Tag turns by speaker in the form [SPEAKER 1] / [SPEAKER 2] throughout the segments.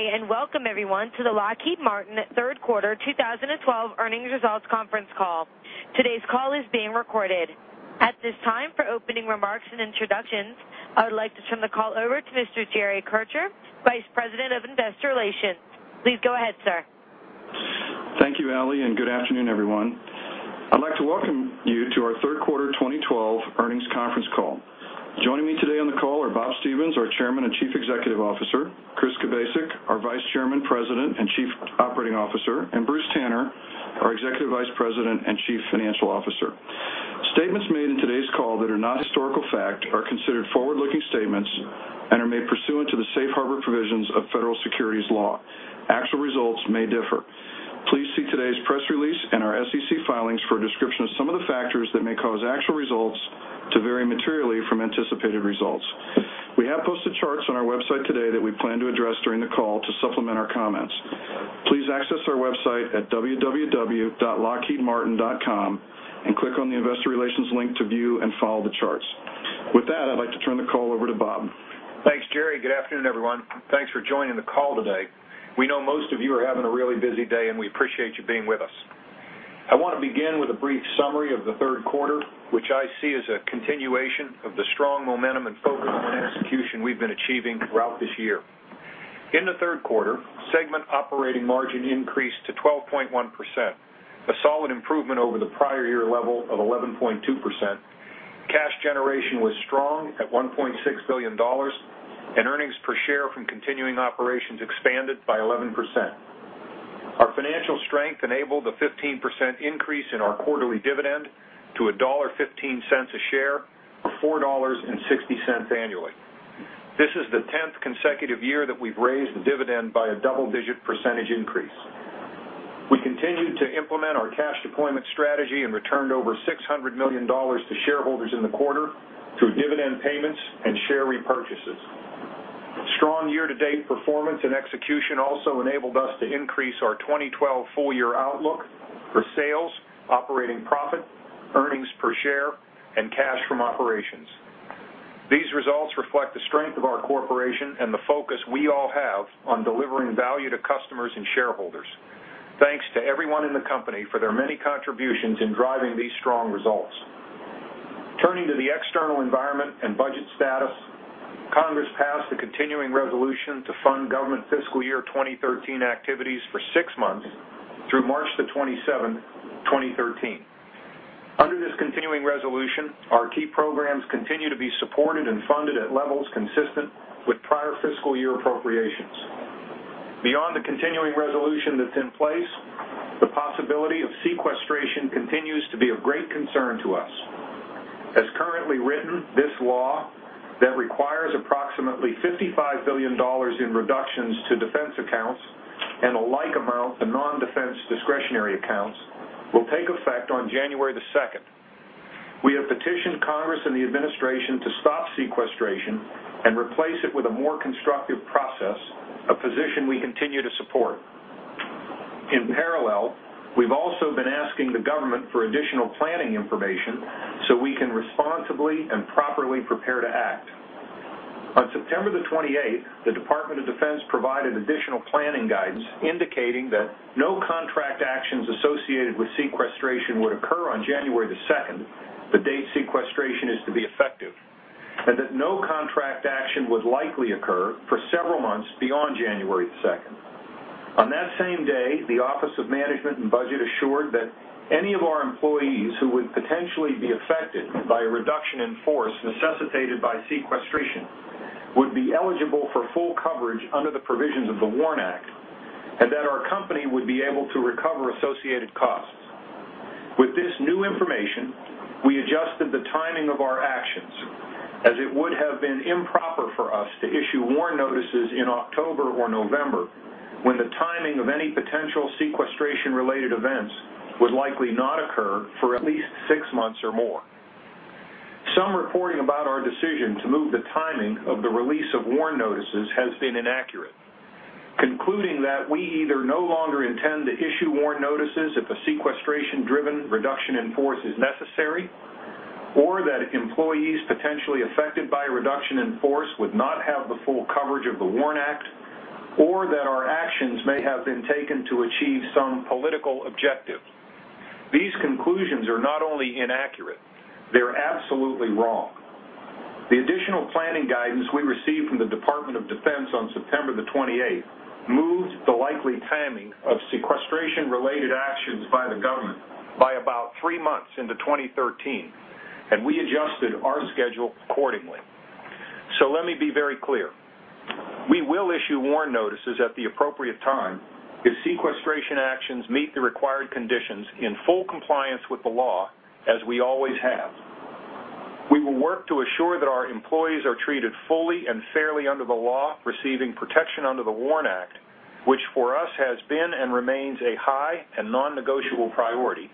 [SPEAKER 1] Good day. Welcome, everyone, to the Lockheed Martin third quarter 2012 earnings results conference call. Today's call is being recorded. At this time, for opening remarks and introductions, I would like to turn the call over to Mr. Jerry Kircher, Vice President of Investor Relations. Please go ahead, sir.
[SPEAKER 2] Thank you, Allie. Good afternoon, everyone. I'd like to welcome you to our third quarter 2012 earnings conference call. Joining me today on the call are Bob Stevens, our Chairman and Chief Executive Officer, Chris Kubasik, our Vice Chairman, President, and Chief Operating Officer, and Bruce Tanner, our Executive Vice President and Chief Financial Officer. Statements made in today's call that are not historical fact are considered forward-looking statements and are made pursuant to the safe harbor provisions of federal securities law. Actual results may differ. Please see today's press release and our SEC filings for a description of some of the factors that may cause actual results to vary materially from anticipated results. We have posted charts on our website today that we plan to address during the call to supplement our comments. Please access our website at www.lockheedmartin.com. Click on the Investor Relations link to view and follow the charts. With that, I'd like to turn the call over to Bob.
[SPEAKER 3] Thanks, Jerry. Good afternoon, everyone. Thanks for joining the call today. We know most of you are having a really busy day. We appreciate you being with us. I want to begin with a brief summary of the third quarter, which I see as a continuation of the strong momentum and focus on execution we've been achieving throughout this year. In the third quarter, segment operating margin increased to 12.1%, a solid improvement over the prior year level of 11.2%. Cash generation was strong at $1.6 billion. Earnings per share from continuing operations expanded by 11%. Our financial strength enabled a 15% increase in our quarterly dividend to $1.15 a share or $4.60 annually. This is the 10th consecutive year that we've raised the dividend by a double-digit percentage increase. We continued to implement our cash deployment strategy and returned over $600 million to shareholders in the quarter through dividend payments and share repurchases. Strong year-to-date performance and execution also enabled us to increase our 2012 full-year outlook for sales, operating profit, earnings per share, and cash from operations. These results reflect the strength of our corporation and the focus we all have on delivering value to customers and shareholders. Thanks to everyone in the company for their many contributions in driving these strong results. Turning to the external environment and budget status, Congress passed a continuing resolution to fund government fiscal year 2013 activities for six months through March the 27th, 2013. Under this continuing resolution, our key programs continue to be supported and funded at levels consistent with prior fiscal year appropriations. Beyond the continuing resolution that's in place, the possibility of sequestration continues to be of great concern to us. As currently written, this law that requires approximately $55 billion in reductions to defense accounts and a like amount to non-defense discretionary accounts, will take effect on January the 2nd. We have petitioned Congress and the administration to stop sequestration and replace it with a more constructive process, a position we continue to support. In parallel, we've also been asking the government for additional planning information so we can responsibly and properly prepare to act. On September the 28th, the Department of Defense provided additional planning guidance indicating that no contract actions associated with sequestration would occur on January the 2nd, the date sequestration is to be effective, and that no contract action would likely occur for several months beyond January the 2nd. On that same day, the Office of Management and Budget assured that any of our employees who would potentially be affected by a reduction in force necessitated by sequestration would be eligible for full coverage under the provisions of the WARN Act and that our company would be able to recover associated costs. With this new information, we adjusted the timing of our actions as it would have been improper for us to issue WARN notices in October or November, when the timing of any potential sequestration-related events would likely not occur for at least six months or more. Some reporting about our decision to move the timing of the release of WARN notices has been inaccurate, concluding that we either no longer intend to issue WARN notices if a sequestration-driven reduction in force is necessary, or that employees potentially affected by a reduction in force would not have the full coverage of the WARN Act, or that our actions may have been taken to achieve some political objective. These conclusions are not only inaccurate, they're absolutely wrong. The additional planning guidance we received from the Department of Defense on September the 28th moved the likely timing of sequestration-related actions by the government by about three months into 2013, and we adjusted our schedule accordingly. Let me be very clear. We will issue WARN notices at the appropriate time if sequestration actions meet the required conditions in full compliance with the law as we always have. We will work to assure that our employees are treated fully and fairly under the law, receiving protection under the WARN Act, which for us has been and remains a high and non-negotiable priority.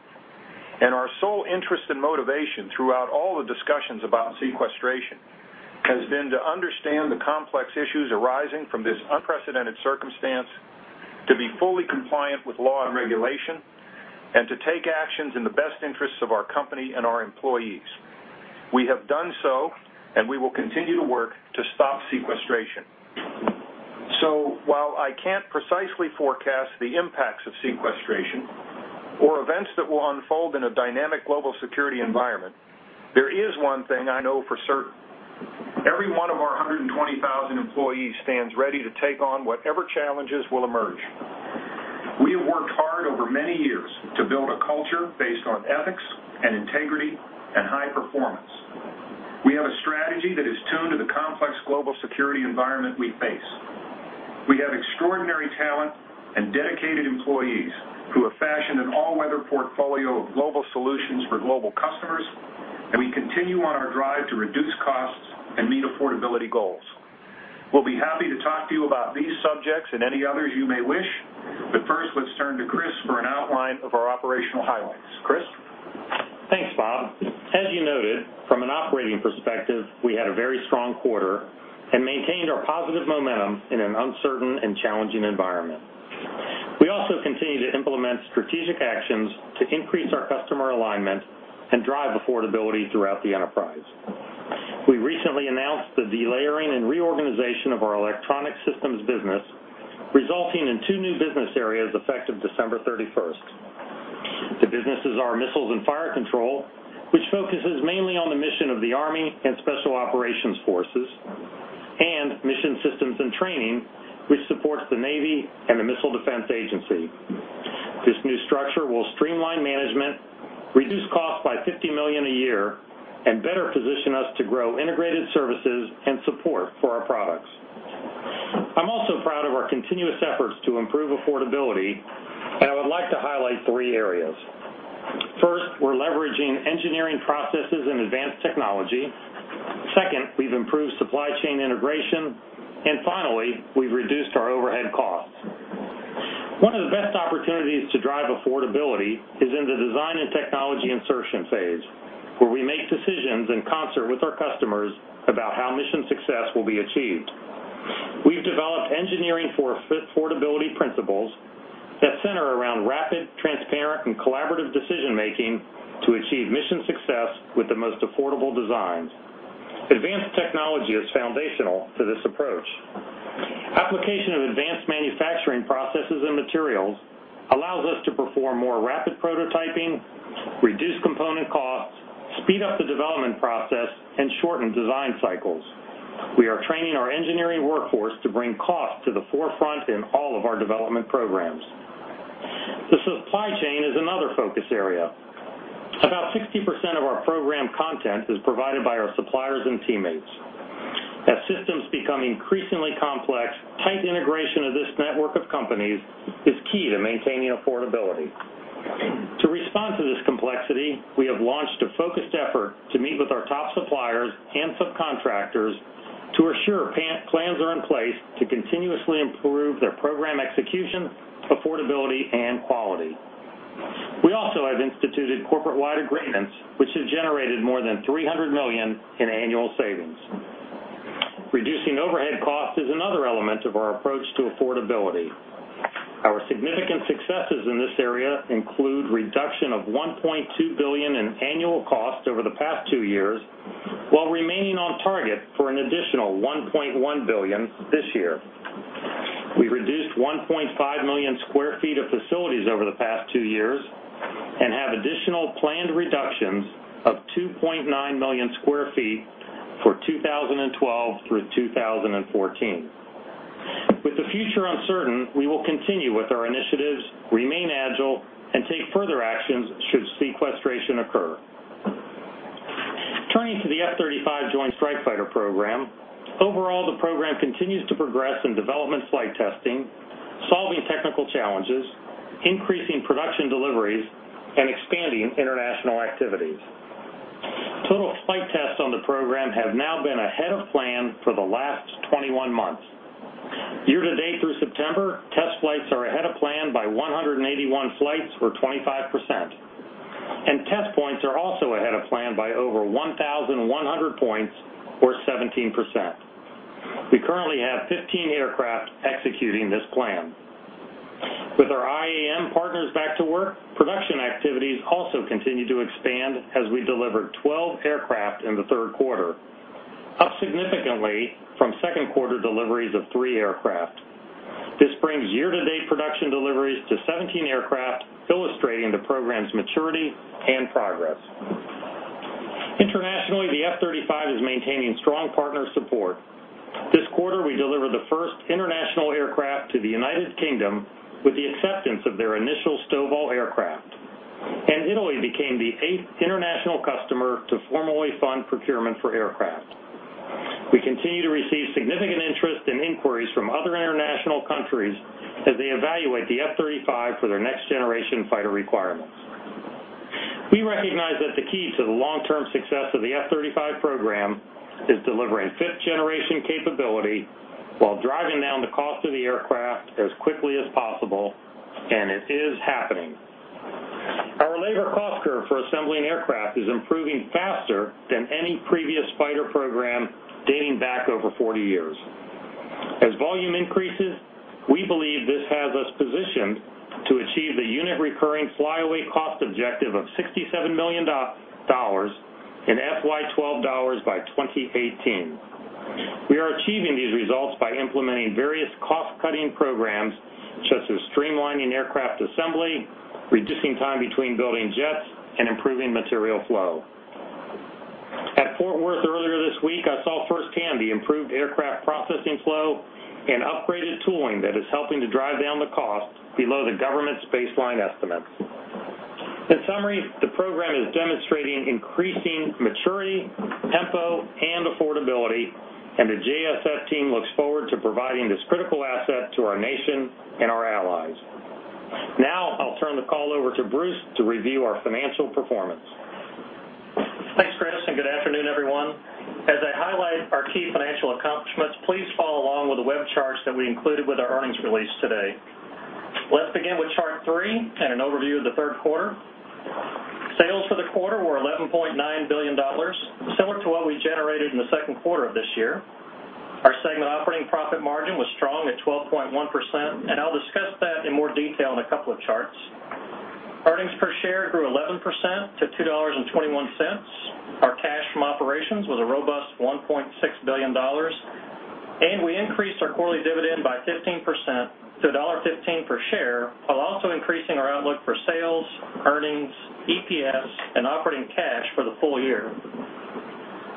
[SPEAKER 3] Our sole interest and motivation throughout all the discussions about sequestration has been to understand the complex issues arising from this unprecedented circumstance, to be fully compliant with law and regulation, and to take actions in the best interests of our company and our employees. We have done so. We will continue to work to stop sequestration. While I can't precisely forecast the impacts of sequestration or events that will unfold in a dynamic global security environment, there is one thing I know for certain. Every one of our 120,000 employees stands ready to take on whatever challenges will emerge.
[SPEAKER 4] Thanks, Bob. As you noted, from an operating perspective, we had a very strong quarter and maintained our positive momentum in an uncertain and challenging environment. We also continue to implement strategic actions to increase our customer alignment and drive affordability throughout the enterprise. We have worked hard over many years to build a culture based on ethics and integrity and high performance. We have a strategy that is tuned to the complex global security environment we face. We have extraordinary talent and dedicated employees who have fashioned an all-weather portfolio of global solutions for global customers. We continue on our drive to reduce costs and meet affordability goals. We'll be happy to talk to you about these subjects and any others you may wish. First, let's turn to Chris for an outline of our operational highlights. Chris? Thanks, Bob. As you noted, from an operating perspective, we had a very strong quarter and maintained our positive momentum in an uncertain and challenging environment. We also continue to implement strategic actions to increase our customer alignment and drive affordability throughout the enterprise. We recently announced the delayering and reorganization of our electronic systems business, resulting in two new business areas effective December 31st. The businesses are Missiles and Fire Control, which focuses mainly on the mission of the Army and Special Operations Forces, and Mission Systems and Training, which supports the Navy and the Missile Defense Agency. This new structure will streamline management, reduce costs by $15 million a year, and better position us to grow integrated services and support for our products. I'm also proud of our continuous efforts to improve affordability. I would like to highlight three areas. First, we're leveraging engineering processes and advanced technology. Second, we've improved supply chain integration. Finally, we've reduced our overhead costs. One of the best opportunities to drive affordability is in the design and technology insertion phase, where we make decisions in concert with our customers about how mission success will be achieved. We've developed engineering for affordability principles that center around rapid, transparent, and collaborative decision-making to achieve mission success with the most affordable designs. Advanced technology is foundational to this approach. Application of advanced manufacturing processes and materials allows us to perform more rapid prototyping, reduce component costs, speed up the development process, and shorten design cycles. We are training our engineering workforce to bring cost to the forefront in all of our development programs. The supply chain is another focus area. About 60% of our program content is provided by our suppliers and teammates. As systems become increasingly complex, tight integration of this network of companies is key to maintaining affordability. To respond to this complexity, we have launched a focused effort to meet with our top suppliers and subcontractors to assure plans are in place to continuously improve their program execution, affordability, and quality. We also have instituted corporate-wide agreements, which have generated more than $300 million in annual savings. Reducing overhead cost is another element of our approach to affordability. Our significant successes in this area include reduction of $1.2 billion in annual cost over the past two years while remaining on target for an additional $1.1 billion this year. We've reduced 1.5 million sq ft of facilities over the past two years and have additional planned reductions of 2.9 million sq ft for 2012 through 2014. With the future uncertain, we will continue with our initiatives, remain agile and take further actions should sequestration occur. Turning to the F-35 Joint Strike Fighter program, overall, the program continues to progress in development flight testing, solving technical challenges, increasing production deliveries, and expanding international activities. Total flight tests on the program have now been ahead of plan for the last 21 months. Year to date through September, test flights are ahead of plan by 181 flights or 25%, and test points are also ahead of plan by over 1,100 points or 17%. We currently have 15 aircraft executing this plan. With our IAM partners back to work, production activities also continue to expand as we delivered 12 aircraft in the third quarter, up significantly from second quarter deliveries of three aircraft. This brings year-to-date production deliveries to 17 aircraft, illustrating the program's maturity and progress. Internationally, the F-35 is maintaining strong partner support. This quarter, we delivered the first international aircraft to the United Kingdom with the acceptance of their initial STOVL aircraft. Italy became the eighth international customer to formally fund procurement for aircraft. We continue to receive significant interest and inquiries from other international countries as they evaluate the F-35 for their next generation fighter requirements. We recognize that the key to the long-term success of the F-35 program is delivering fifth-generation capability while driving down the cost of the aircraft as quickly as possible, and it is happening. Our labor cost curve for assembling aircraft is improving faster than any previous fighter program dating back over 40 years. As volume increases, we believe this has us positioned to achieve the unit recurring flyaway cost objective of $67 million in FY 2012 by 2018. We are achieving these results by implementing various cost-cutting programs, such as streamlining aircraft assembly, reducing time between building jets, and improving material flow. At Fort Worth earlier this week, I saw firsthand the improved aircraft processing flow and upgraded tooling that is helping to drive down the cost below the government's baseline estimates. In summary, the program is demonstrating increasing maturity, tempo, and affordability, and the JSF team looks forward to providing this critical asset to our nation and our allies. Now, I'll turn the call over to Bruce to review our financial performance.
[SPEAKER 5] Thanks, Chris, and good afternoon, everyone. As I highlight our key financial accomplishments, please follow along with the web charts that we included with our earnings release today. Let's begin with Chart 3 and an overview of the third quarter. Sales for the quarter were $11.9 billion, similar to what we generated in the second quarter of this year. Our segment operating profit margin was strong at 12.1%, and I'll discuss that in more detail in a couple of charts. Earnings per share grew 11% to $2.21. Our cash from operations was a robust $1.6 billion. We increased our quarterly dividend by 15% to $1.15 per share, while also increasing our outlook for sales, earnings, EPS, and operating cash for the full year.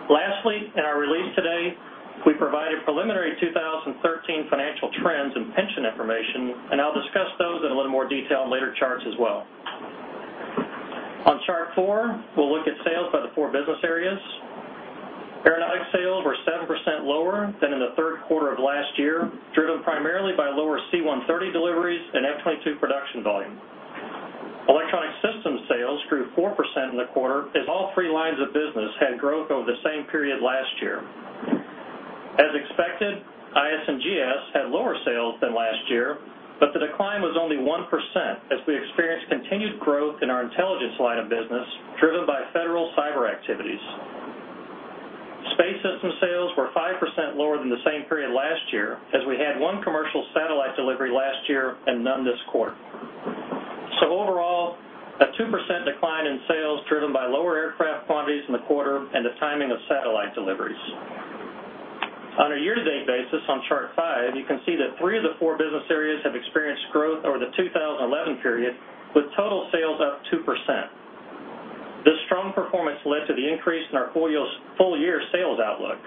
[SPEAKER 5] Lastly, in our release today, we provided preliminary 2013 financial trends and pension information, I'll discuss those in a little more detail in later charts as well. On Chart 4, we'll look at sales by the four business areas. Aeronautics sales were 7% lower than in the third quarter of last year, driven primarily by lower C-130 deliveries and F-22 production volume. Electronic Systems sales grew 4% in the quarter as all three lines of business had growth over the same period last year. As expected, IS&GS had lower sales than last year, but the decline was only 1% as we experienced continued growth in our intelligence line of business driven by federal cyber activities. Space Systems sales were 5% lower than the same period last year, as we had one commercial satellite delivery last year and none this quarter. Overall, a 2% decline in sales driven by lower aircraft quantities in the quarter and the timing of satellite deliveries. On a year-to-date basis on Chart 5, you can see that three of the four business areas have experienced growth over the 2011 period, with total sales up 2%. This strong performance led to the increase in our full-year sales outlook.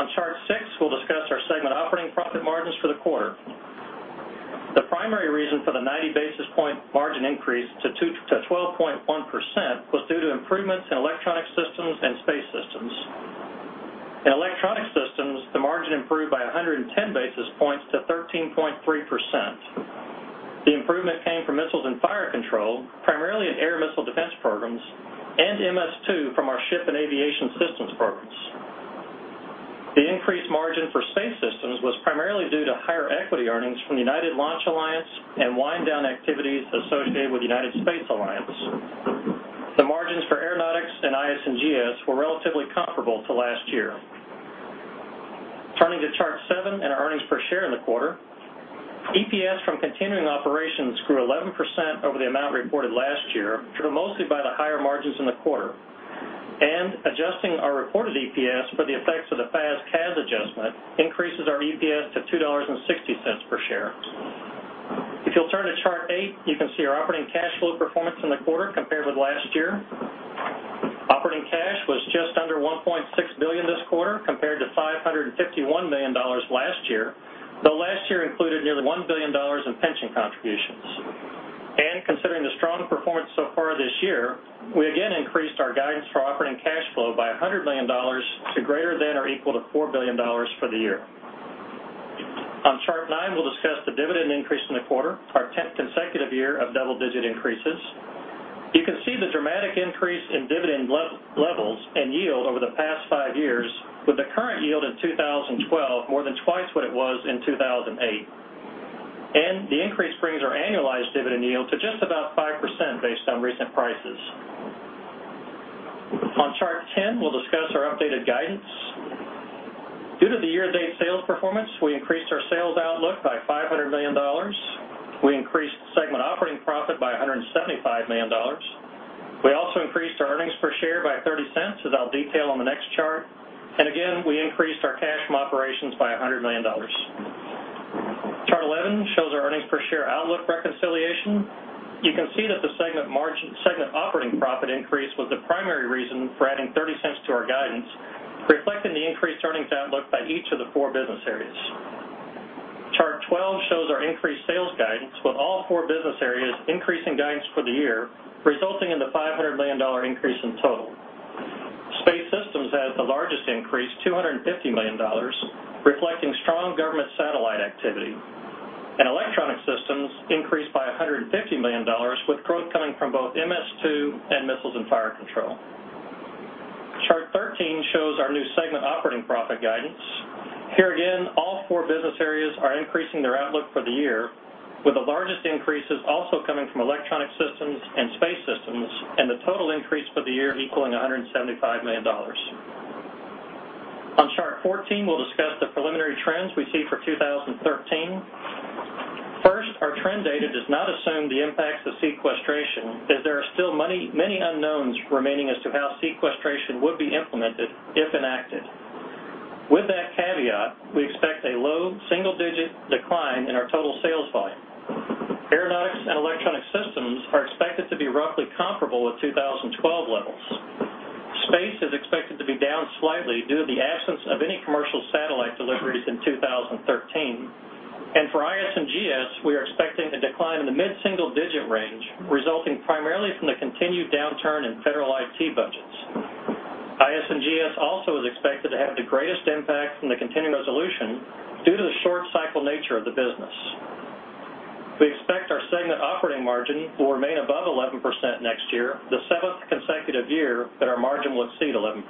[SPEAKER 5] On Chart 6, we'll discuss our segment operating profit margins for the quarter. The primary reason for the 90-basis point margin increase to 12.1% was due to improvements in Electronic Systems and Space Systems. In Electronic Systems, the margin improved by 110 basis points to 13.3%. The improvement came from Missiles and Fire Control, primarily in air missile defense programs, and MS2 from our ship and aviation systems programs. The increased margin for Space Systems was primarily due to higher equity earnings from the United Launch Alliance and wind-down activities associated with United Space Alliance. The margins for Aeronautics and IS&GS were relatively comparable to last year. Turning to Chart 7 and earnings per share in the quarter. EPS from continuing operations grew 11% over the amount reported last year, driven mostly by the higher margins in the quarter. Adjusting our reported EPS for the effects of the FAS/CAS adjustment increases our EPS to $2.60 per share. If you'll turn to Chart 8, you can see our operating cash flow performance in the quarter compared with last year. Operating cash was just under $1.6 billion this quarter compared to $551 million last year, though last year included nearly $1 billion in pension contributions. Considering the strong performance so far this year, we again increased our guidance for operating cash flow by $100 million to greater than or equal to $4 billion for the year. On Chart 9, we will discuss the dividend increase in the quarter, our 10th consecutive year of double-digit increases. You can see the dramatic increase in dividend levels and yield over the past five years with the current yield in 2012, more than twice what it was in 2008. The increase brings our annualized dividend yield to just about 5% based on recent prices. On Chart 10, we will discuss our updated guidance. Due to the year-to-date sales performance, we increased our sales outlook by $500 million. We increased segment operating profit by $175 million. We also increased our earnings per share by $0.30, as I will detail on the next chart. Again, we increased our cash from operations by $100 million. Chart 11 shows our earnings per share outlook reconciliation. You can see that the segment operating profit increase was the primary reason for adding $0.30 to our guidance, reflecting the increased earnings outlook by each of the four business areas. Chart 12 shows our increased sales guidance, with all four business areas increasing guidance for the year, resulting in the $500 million increase in total. Space Systems had the largest increase, $250 million, reflecting strong government satellite activity. Electronic Systems increased by $150 million with growth coming from both MS2 and Missiles and Fire Control. Chart 13 shows our new segment operating profit guidance. Here again, all four business areas are increasing their outlook for the year. With the largest increases also coming from Electronic Systems and Space Systems, and the total increase for the year equaling $175 million. On Chart 14, we will discuss the preliminary trends we see for 2013. First, our trend data does not assume the impacts of sequestration, as there are still many unknowns remaining as to how sequestration would be implemented if enacted. With that caveat, we expect a low single-digit decline in our total sales volume. Aeronautics and Electronic Systems are expected to be roughly comparable with 2012 levels. Space is expected to be down slightly due to the absence of any commercial satellite deliveries in 2013. For IS&GS, we are expecting a decline in the mid-single-digit range, resulting primarily from the continued downturn in federal IT budgets. IS&GS also is expected to have the greatest impact from the continuing resolution due to the short cycle nature of the business. We expect our segment operating margin will remain above 11% next year, the seventh consecutive year that our margin will exceed 11%.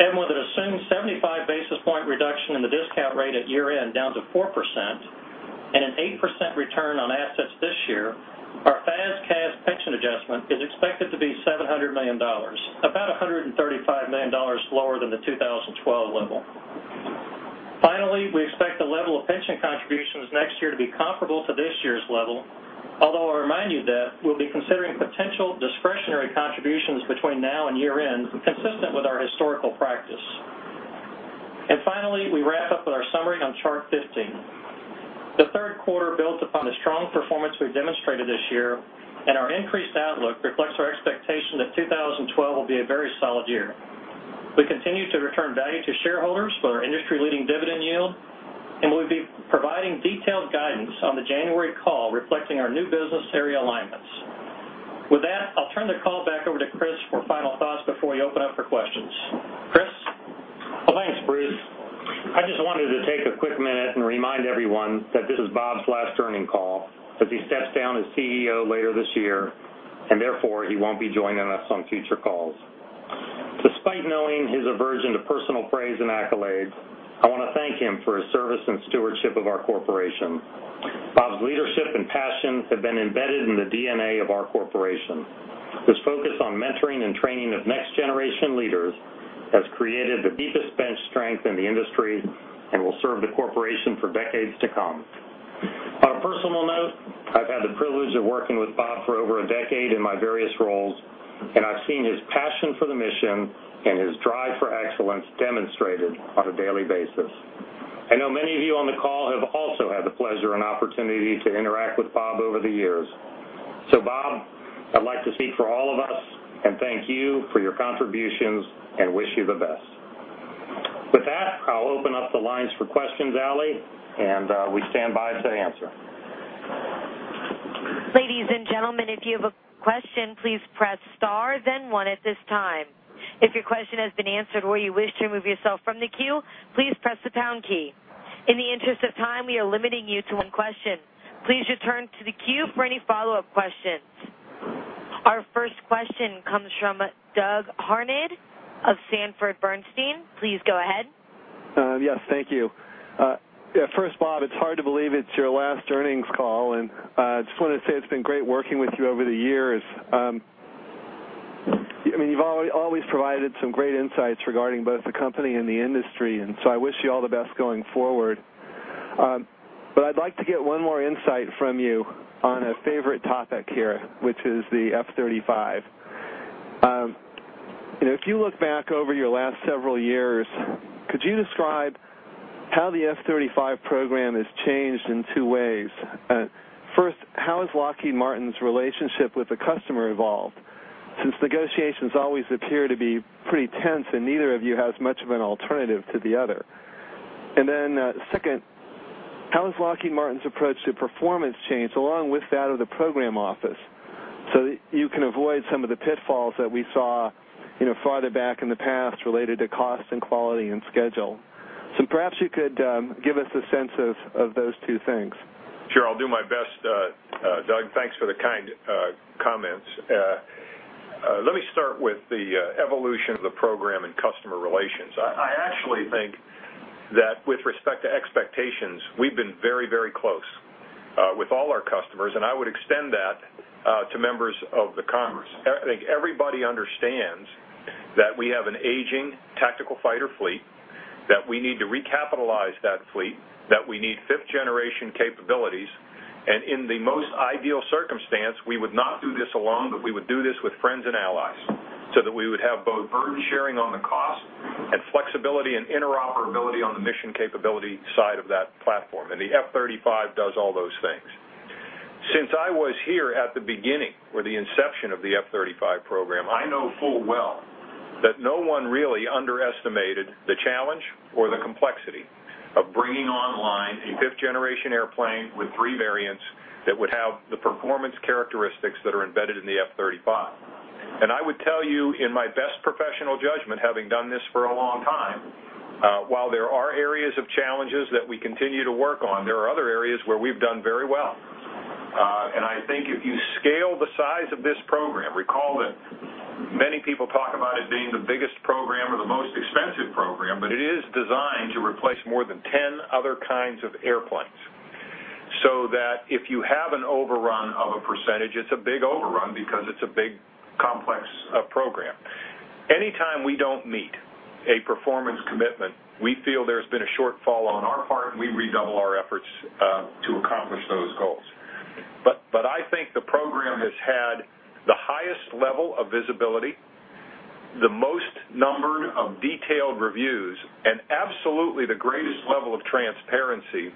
[SPEAKER 5] With an assumed 75 basis point reduction in the discount rate at year-end down to 4%, and an 8% return on assets this year, our FAS/CAS pension adjustment is expected to be $700 million, about $135 million lower than the 2012 level. Finally, we expect the level of pension contributions next year to be comparable to this year's level, although I remind you that we will be considering potential discretionary contributions between now and year-end, consistent with our historical practice. Finally, we wrap up with our summary on Chart 15. The third quarter built upon the strong performance we've demonstrated this year, and our increased outlook reflects our expectation that 2012 will be a very solid year. We continue to return value to shareholders with our industry-leading dividend yield, and we'll be providing detailed guidance on the January call reflecting our new business area alignments. With that, I'll turn the call back over to Chris for final thoughts before we open up for questions. Chris?
[SPEAKER 4] Well, thanks, Bruce. I just wanted to take a quick minute and remind everyone that this is Bob's last earning call, as he steps down as CEO later this year. Therefore, he won't be joining us on future calls. Despite knowing his aversion to personal praise and accolades, I want to thank him for his service and stewardship of our corporation. Bob's leadership and passion have been embedded in the DNA of our corporation. His focus on mentoring and training of next-generation leaders has created the deepest bench strength in the industry and will serve the corporation for decades to come. On a personal note, I've had the privilege of working with Bob for over a decade in my various roles, and I've seen his passion for the mission and his drive for excellence demonstrated on a daily basis. I know many of you on the call have also had the pleasure and opportunity to interact with Bob over the years. Bob, I'd like to speak for all of us and thank you for your contributions and wish you the best. With that, I'll open up the lines for questions, Allie, and we stand by to answer.
[SPEAKER 1] Ladies and gentlemen, if you have a question, please press star then one at this time. If your question has been answered or you wish to remove yourself from the queue, please press the pound key. In the interest of time, we are limiting you to one question. Please return to the queue for any follow-up questions. Our first question comes from Doug Harned of Sanford Bernstein. Please go ahead.
[SPEAKER 6] Yes, thank you. First, Bob, it's hard to believe it's your last earnings call, and I just want to say it's been great working with you over the years. You've always provided some great insights regarding both the company and the industry. I wish you all the best going forward. I'd like to get one more insight from you on a favorite topic here, which is the F-35. If you look back over your last several years, could you describe how the F-35 program has changed in two ways? First, how has Lockheed Martin's relationship with the customer evolved, since negotiations always appear to be pretty tense and neither of you has much of an alternative to the other? Second, how has Lockheed Martin's approach to performance changed along with that of the program office, so that you can avoid some of the pitfalls that we saw farther back in the past related to cost and quality and schedule? Perhaps you could give us a sense of those two things.
[SPEAKER 3] Sure, I'll do my best, Doug. Thanks for the kind comments. Let me start with the evolution of the program and customer relations. I actually think that with respect to expectations, we've been very close with all our customers, and I would extend that to members of the United States Congress. I think everybody understands that we have an aging tactical fighter fleet, that we need to recapitalize that fleet, that we need fifth-generation capabilities, and in the most ideal circumstance, we would not do this alone, but we would do this with friends and allies, so that we would have both burden sharing on the cost and flexibility and interoperability on the mission capability side of that platform. The F-35 does all those things.
[SPEAKER 4] Since I was here at the beginning or the inception of the F-35 program, I know full well that no one really underestimated the challenge or the complexity of bringing online a fifth-generation airplane with three variants that would have the performance characteristics that are embedded in the F-35. I would tell you, in my best professional judgment, having done this for a long time, while there are areas of challenges that we continue to work on, there are other areas where we've done very well. I think if you scale the size of this program, recall that many people talk about it being the biggest pro-
[SPEAKER 3] It is designed to replace more than 10 other kinds of airplanes, so that if you have an overrun of a percentage, it's a big overrun because it's a big, complex program. Anytime we don't meet a performance commitment, we feel there's been a shortfall on our part, and we redouble our efforts to accomplish those goals. I think the program has had the highest level of visibility, the most number of detailed reviews, and absolutely the greatest level of transparency,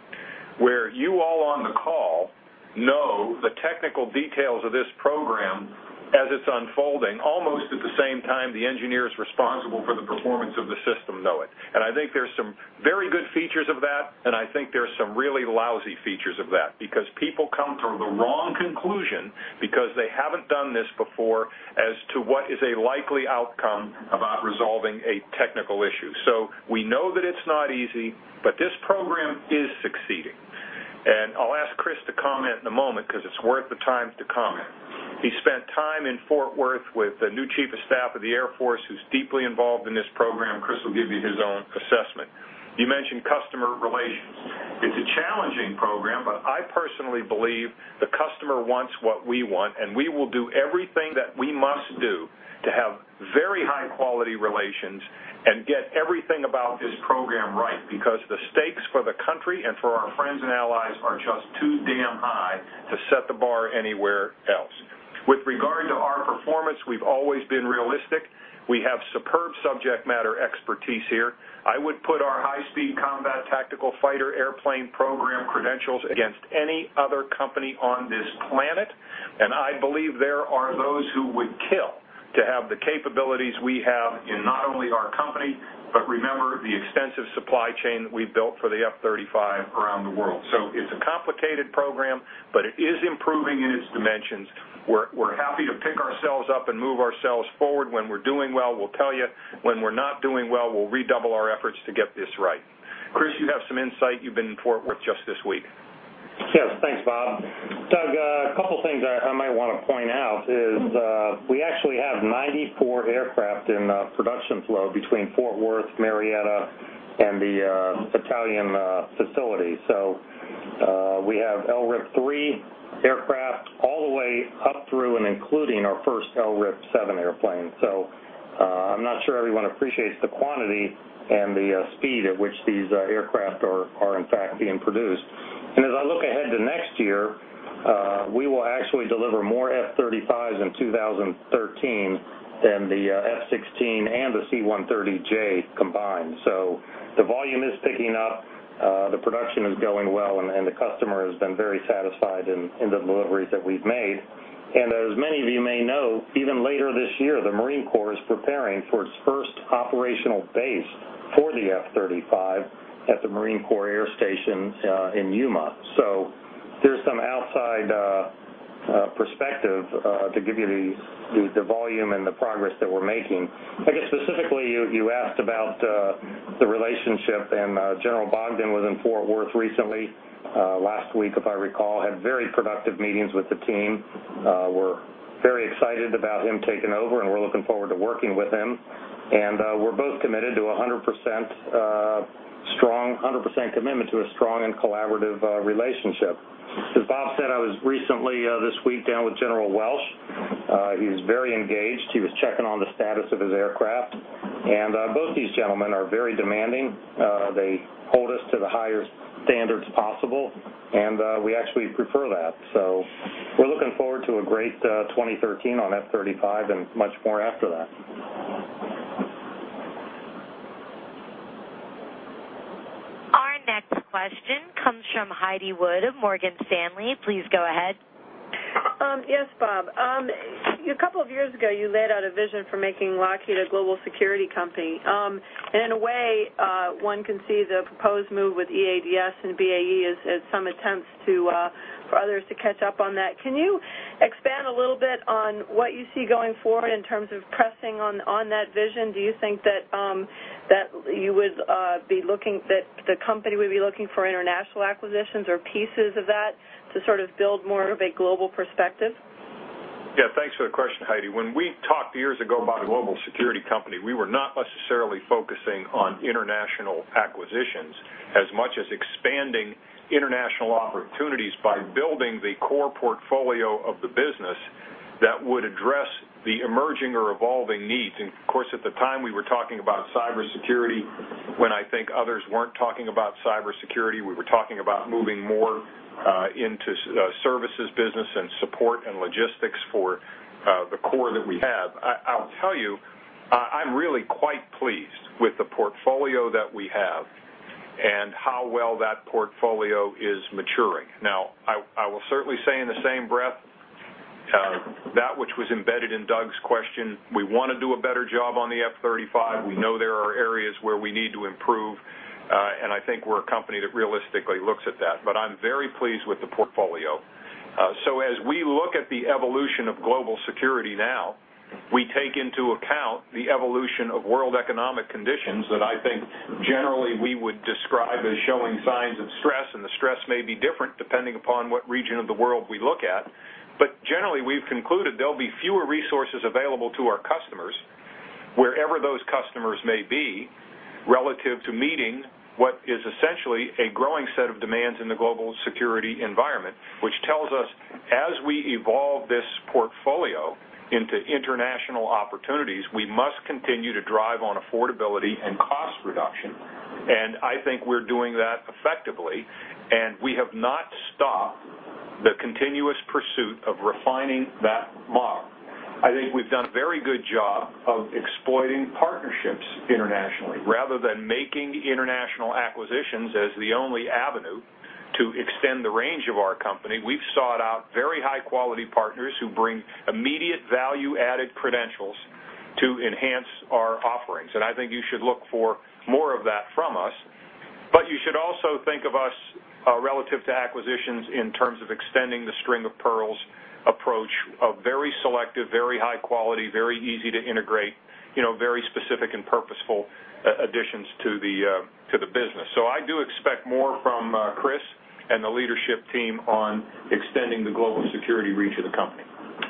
[SPEAKER 3] where you all on the call know the technical details of this program as it's unfolding, almost at the same time the engineers responsible for the performance of the system know it. I think there's some very good features of that, and I think there's some really lousy features of that, because people come to the wrong conclusion because they haven't done this before as to what is a likely outcome about resolving a technical issue. We know that it's not easy, but this program is succeeding. I'll ask Chris to comment in a moment because it's worth the time to comment. He spent time in Fort Worth with the new Chief of Staff of the Air Force, who's deeply involved in this program. Chris will give you his own assessment. You mentioned customer relations. It's a challenging program, but I personally believe the customer wants what we want, and we will do everything that we must do to have very high-quality relations and get everything about this program right, because the stakes for the country and for our friends and allies are just too damn high to set the bar anywhere else. With regard to our performance, we've always been realistic. We have superb subject matter expertise here. I would put our high-speed combat tactical fighter airplane program credentials against any other company on this planet, and I believe there are those who would kill to have the capabilities we have in not only our company, but remember, the extensive supply chain that we've built for the F-35 around the world. It's a complicated program, but it is improving in its dimensions. We're happy to pick ourselves up and move ourselves forward. When we're doing well, we'll tell you. When we're not doing well, we'll redouble our efforts to get this right. Chris, you have some insight. You've been in Fort Worth just this week.
[SPEAKER 4] Yes. Thanks, Bob. Doug, a couple of things I might want to point out is we actually have 94 aircraft in production flow between Fort Worth, Marietta, and the Italian facility. We have LRIP 3 aircraft all the way up through and including our first LRIP 7 airplane. I'm not sure everyone appreciates the quantity and the speed at which these aircraft are in fact being produced. As I look ahead to next year, we will actually deliver more F-35s in 2013 than the F-16 and the C-130J combined. The volume is picking up, the production is going well, and the customer has been very satisfied in the deliveries that we've made. As many of you may know, even later this year, the Marine Corps is preparing for its first operational base for the F-35 at the Marine Corps Air Station in Yuma. There's some outside perspective to give you the volume and the progress that we're making. I guess specifically, you asked about the relationship, General Bogdan was in Fort Worth recently, last week if I recall, had very productive meetings with the team. We're very excited about him taking over, we're looking forward to working with him. We're both committed to 100% commitment to a strong and collaborative relationship. As Bob said, I was recently, this week, down with General Welsh. He was very engaged. He was checking on the status of his aircraft. Both these gentlemen are very demanding. They hold us to the highest standards possible, we actually prefer that. We're looking forward to a great 2013 on F-35 and much more after that.
[SPEAKER 1] Our next question comes from Heidi Wood of Morgan Stanley. Please go ahead.
[SPEAKER 7] Yes, Bob. A couple of years ago, you laid out a vision for making Lockheed a global security company. In a way, one can see the proposed move with EADS and BAE as some attempts for others to catch up on that. Can you expand a little bit on what you see going forward in terms of pressing on that vision? Do you think that the company would be looking for international acquisitions or pieces of that to sort of build more of a global perspective?
[SPEAKER 3] Thanks for the question, Heidi. When we talked years ago about a global security company, we were not necessarily focusing on international acquisitions as much as expanding international opportunities by building the core portfolio of the business that would address the emerging or evolving needs. Of course, at the time, we were talking about cybersecurity when I think others weren't talking about cybersecurity. We were talking about moving more into services business and support and logistics for the core that we have. I'll tell you, I'm really quite pleased with the portfolio that we have and how well that portfolio is maturing. I will certainly say in the same breath, that which was embedded in Doug's question, we want to do a better job on the F-35. We know there are areas where we need to improve, and I think we're a company that realistically looks at that, but I'm very pleased with the portfolio. As we look at the evolution of global security now, we take into account the evolution of world economic conditions that I think generally we would describe as showing signs of stress, and the stress may be different depending upon what region of the world we look at. Generally, we've concluded there'll be fewer resources available to our customers, wherever those customers may be, relative to meeting what is essentially a growing set of demands in the global security environment, which tells us as we evolve this portfolio into international opportunities, we must continue to drive on affordability and cost reduction. I think we're doing that effectively, and we have not stopped the continuous pursuit of refining that model. I think we've done a very good job of exploiting partnerships internationally rather than making international acquisitions as the only avenue to extend the range of our company. We've sought out very high-quality partners who bring immediate value-added credentials to enhance our offerings. I think you should look for more of that from us. You should also think of us relative to acquisitions in terms of extending the string-of-pearls approach of very selective, very high quality, very easy to integrate, very specific and purposeful additions to the business. I do expect more from Chris and the leadership team on extending the global security reach of the company.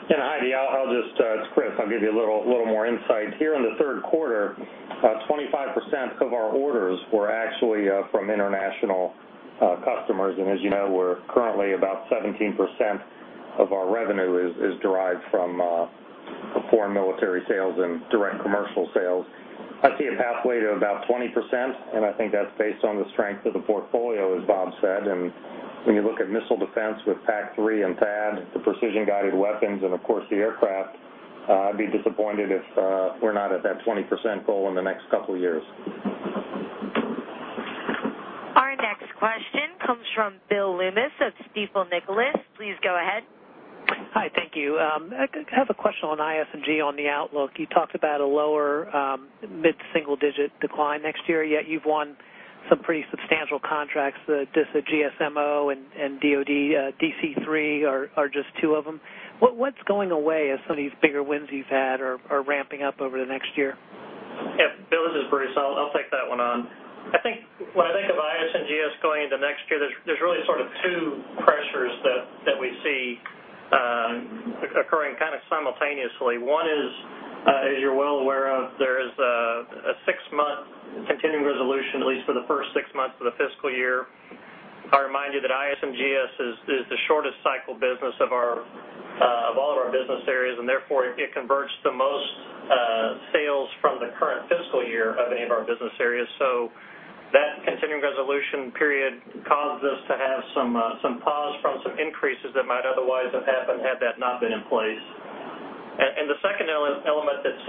[SPEAKER 4] Heidi, it's Chris. I'll give you a little more insight. Here in the third quarter, 25% of our orders were actually from international customers. As you know, we're currently about 17% of our revenue is derived from foreign military sales and direct commercial sales. I see a pathway to about 20%, and I think that's based on the strength of the portfolio, as Bob said. When you look at missile defense with PAC-3 and THAAD, the precision-guided weapons, and of course, the aircraft, I'd be disappointed if we're not at that 20% goal in the next couple of years.
[SPEAKER 1] Our next question comes from Bill Loomis of Stifel Nicolaus. Please go ahead.
[SPEAKER 8] Hi, thank you. I have a question on IS&GS on the outlook. You talked about a lower mid-single-digit decline next year, yet you've won some pretty substantial contracts. DISA GSM-O and DoD DC3 are just two of them. What's going away as some of these bigger wins you've had are ramping up over the next year?
[SPEAKER 5] Bill, this is Bruce. I'll take that one on. I think when I think of IS&GS as going into next year, there's really sort of two pressures that we see occurring kind of simultaneously. One is, as you're well aware of, there is a six-month continuing resolution, at least for the first six months of the fiscal year. I remind you that IS&GS is the shortest cycle business of all of our business areas, therefore, it converts the most sales from the current fiscal year of any of our business areas. That continuing resolution period caused us to have some pause from some increases that might otherwise have happened had that not been in place. The second element that's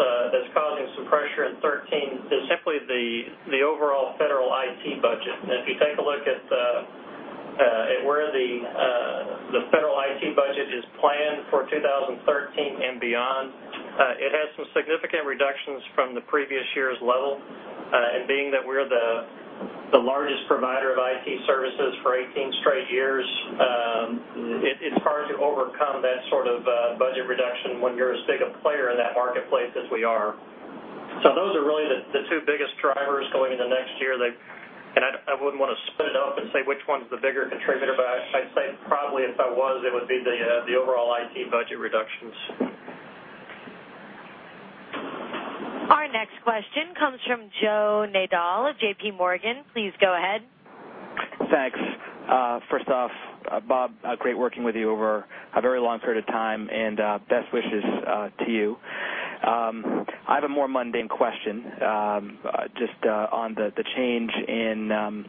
[SPEAKER 5] causing some pressure in 2013 is simply the overall federal IT budget. If you take a look at where the federal IT budget is planned for 2013 and beyond, it has some significant reductions from the previous year's level. Being that we're the largest provider of IT services for 18 straight years, it's hard to overcome that sort of budget reduction when you're as big a player in that marketplace as we are. Those are really the two biggest drivers going into next year. I wouldn't want to split it up and say which one's the bigger contributor, but I'd say probably if I was, it would be the overall IT budget reductions.
[SPEAKER 1] Our next question comes from Joseph Nadol of J.P. Morgan. Please go ahead.
[SPEAKER 9] Thanks. First off, Bob, great working with you over a very long period of time, and best wishes to you. I have a more mundane question just on the change in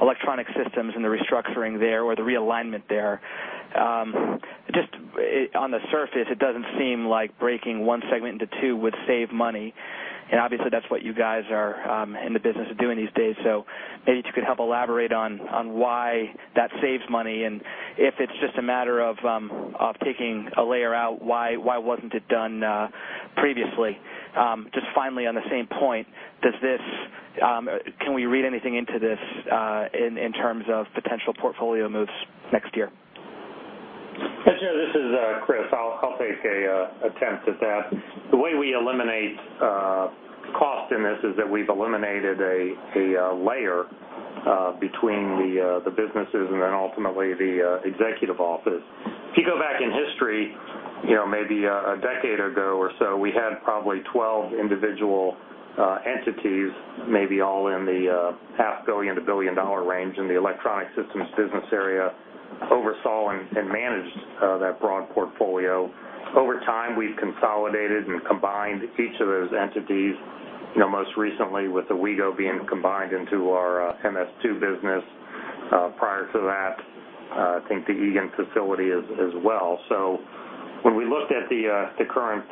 [SPEAKER 9] Electronic Systems and the restructuring there or the realignment there. Just on the surface, it doesn't seem like breaking one segment into two would save money, and obviously, that's what you guys are in the business of doing these days. Maybe you could help elaborate on why that saves money, and if it's just a matter of taking a layer out, why wasn't it done previously? Just finally, on the same point, can we read anything into this in terms of potential portfolio moves next year?
[SPEAKER 4] Joe, this is Chris. I'll take a attempt at that. The way we eliminate cost in this is that we've eliminated a layer between the businesses and then ultimately the executive office. If you go back in history, maybe a decade ago or so, we had probably 12 individual entities, maybe all in the half billion to $1 billion range in the Electronic Systems business area, oversaw and managed that broad portfolio. Over time, we've consolidated and combined each of those entities, most recently with the Owego being combined into our MS2 business. Prior to that, I think the Eagan facility as well. When we looked at the current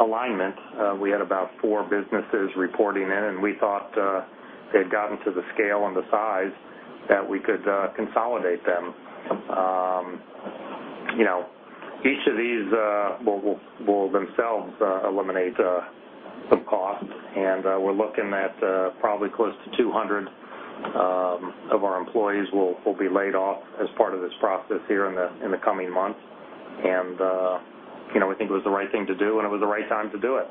[SPEAKER 4] alignment, we had about four businesses reporting in, and we thought they had gotten to the scale and the size that we could consolidate them. Each of these will themselves eliminate some cost, and we're looking at probably close to 200 of our employees will be laid off as part of this process here in the coming months. We think it was the right thing to do and it was the right time to do it.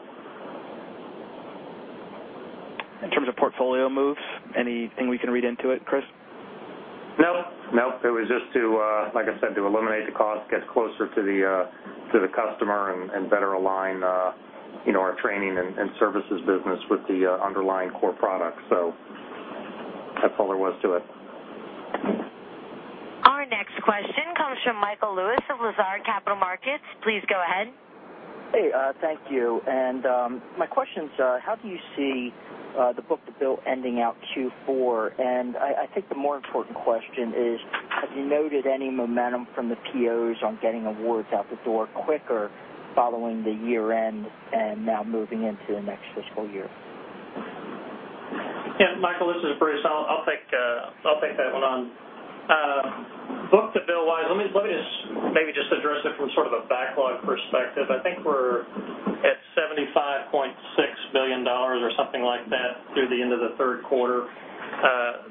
[SPEAKER 9] In terms of portfolio moves, anything we can read into it, Chris?
[SPEAKER 4] No. It was just to, like I said, to eliminate the cost, get closer to the customer and better align our training and services business with the underlying core product. That's all there was to it.
[SPEAKER 1] Our next question comes from Michael Lewis of Lazard Capital Markets. Please go ahead.
[SPEAKER 10] Hey, thank you. My question is, how do you see the book-to-bill ending out Q4? I think the more important question is, have you noted any momentum from the POs on getting awards out the door quicker following the year-end and now moving into the next fiscal year?
[SPEAKER 5] Michael, this is Bruce. I'll take that one on. Book-to-bill wise, let me just address it from sort of a backlog perspective. I think we're at $75.6 billion or something like that through the end of the third quarter.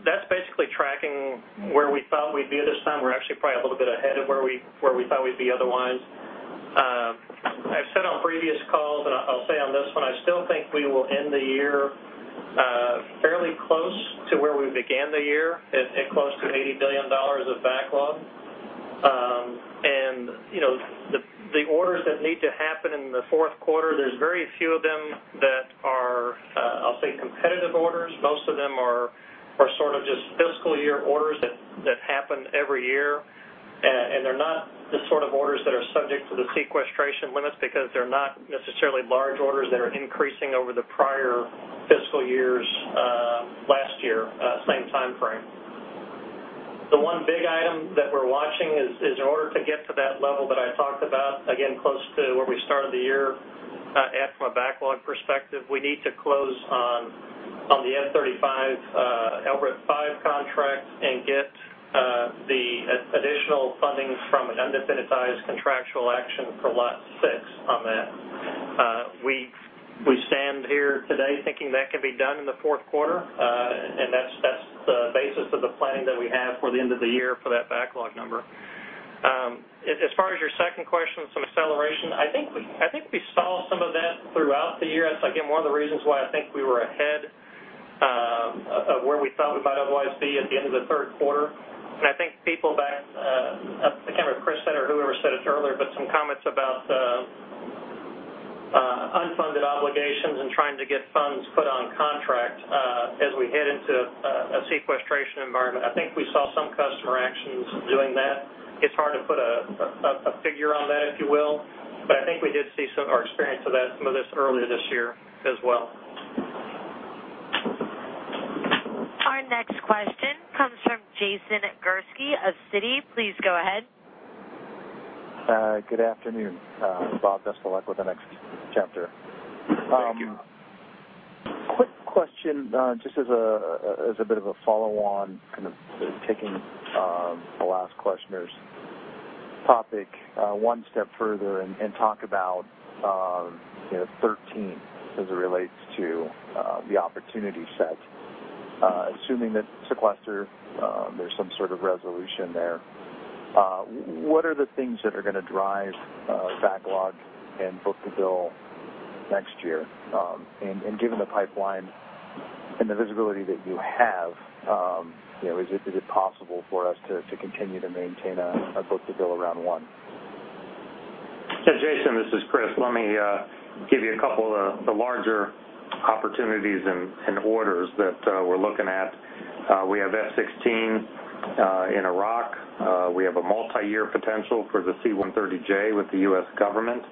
[SPEAKER 5] That's basically tracking where we thought we'd be this time. We're actually probably a little bit ahead of where we thought we'd be otherwise. I've said on previous calls, and I'll say on this one, I still think we will end the year fairly close to where we began the year at close to $80 billion of backlog. The orders that need to happen in the fourth quarter, there's very few of them that are, I'll say, competitive orders. Most of them are sort of just fiscal year orders that happen every year. They're not the sort of orders that are subject to the sequestration limits because they're not necessarily large orders that are increasing over the prior fiscal year's last year same timeframe. The one big item that we're watching is in order to get to that level that I talked about, again, close to where we started the year at from a backlog perspective, we need to close on the F-35 LRIP 5 contract and get the additional funding from an undefinitized contractual action for lot six on that. We stand here today thinking that can be done in the fourth quarter, that's the basis of the planning that we have for the end of the year for that backlog number. As far as your second question, some acceleration, I think we saw some of that throughout the year. That's, again, one of the reasons why I think we were ahead of where we thought we might otherwise be at the end of the third quarter. I think people back, I can't remember if Chris said or whoever said it earlier, but some comments about unfunded obligations and trying to get funds put on contract as we head into a sequestration environment. I think we saw some customer actions doing that. It's hard to put a figure on that, if you will, but I think we did see some or experienced some of this earlier this year as well.
[SPEAKER 1] Our next question comes from Jason Gursky of Citi. Please go ahead.
[SPEAKER 11] Good afternoon. Bob, best of luck with the next chapter.
[SPEAKER 3] Thank you.
[SPEAKER 11] Quick question, just as a bit of a follow on, kind of taking the last questioner's topic one step further and talk about 2013 as it relates to the opportunity set. Assuming that sequester, there's some sort of resolution there, what are the things that are going to drive backlog and book-to-bill next year? Given the pipeline and the visibility that you have, is it possible for us to continue to maintain a book-to-bill around one?
[SPEAKER 4] Yeah, Jason, this is Chris. Let me give you a couple of the larger opportunities and orders that we're looking at. We have F-16 in Iraq. We have a multi-year potential for the C-130J with the U.S. government.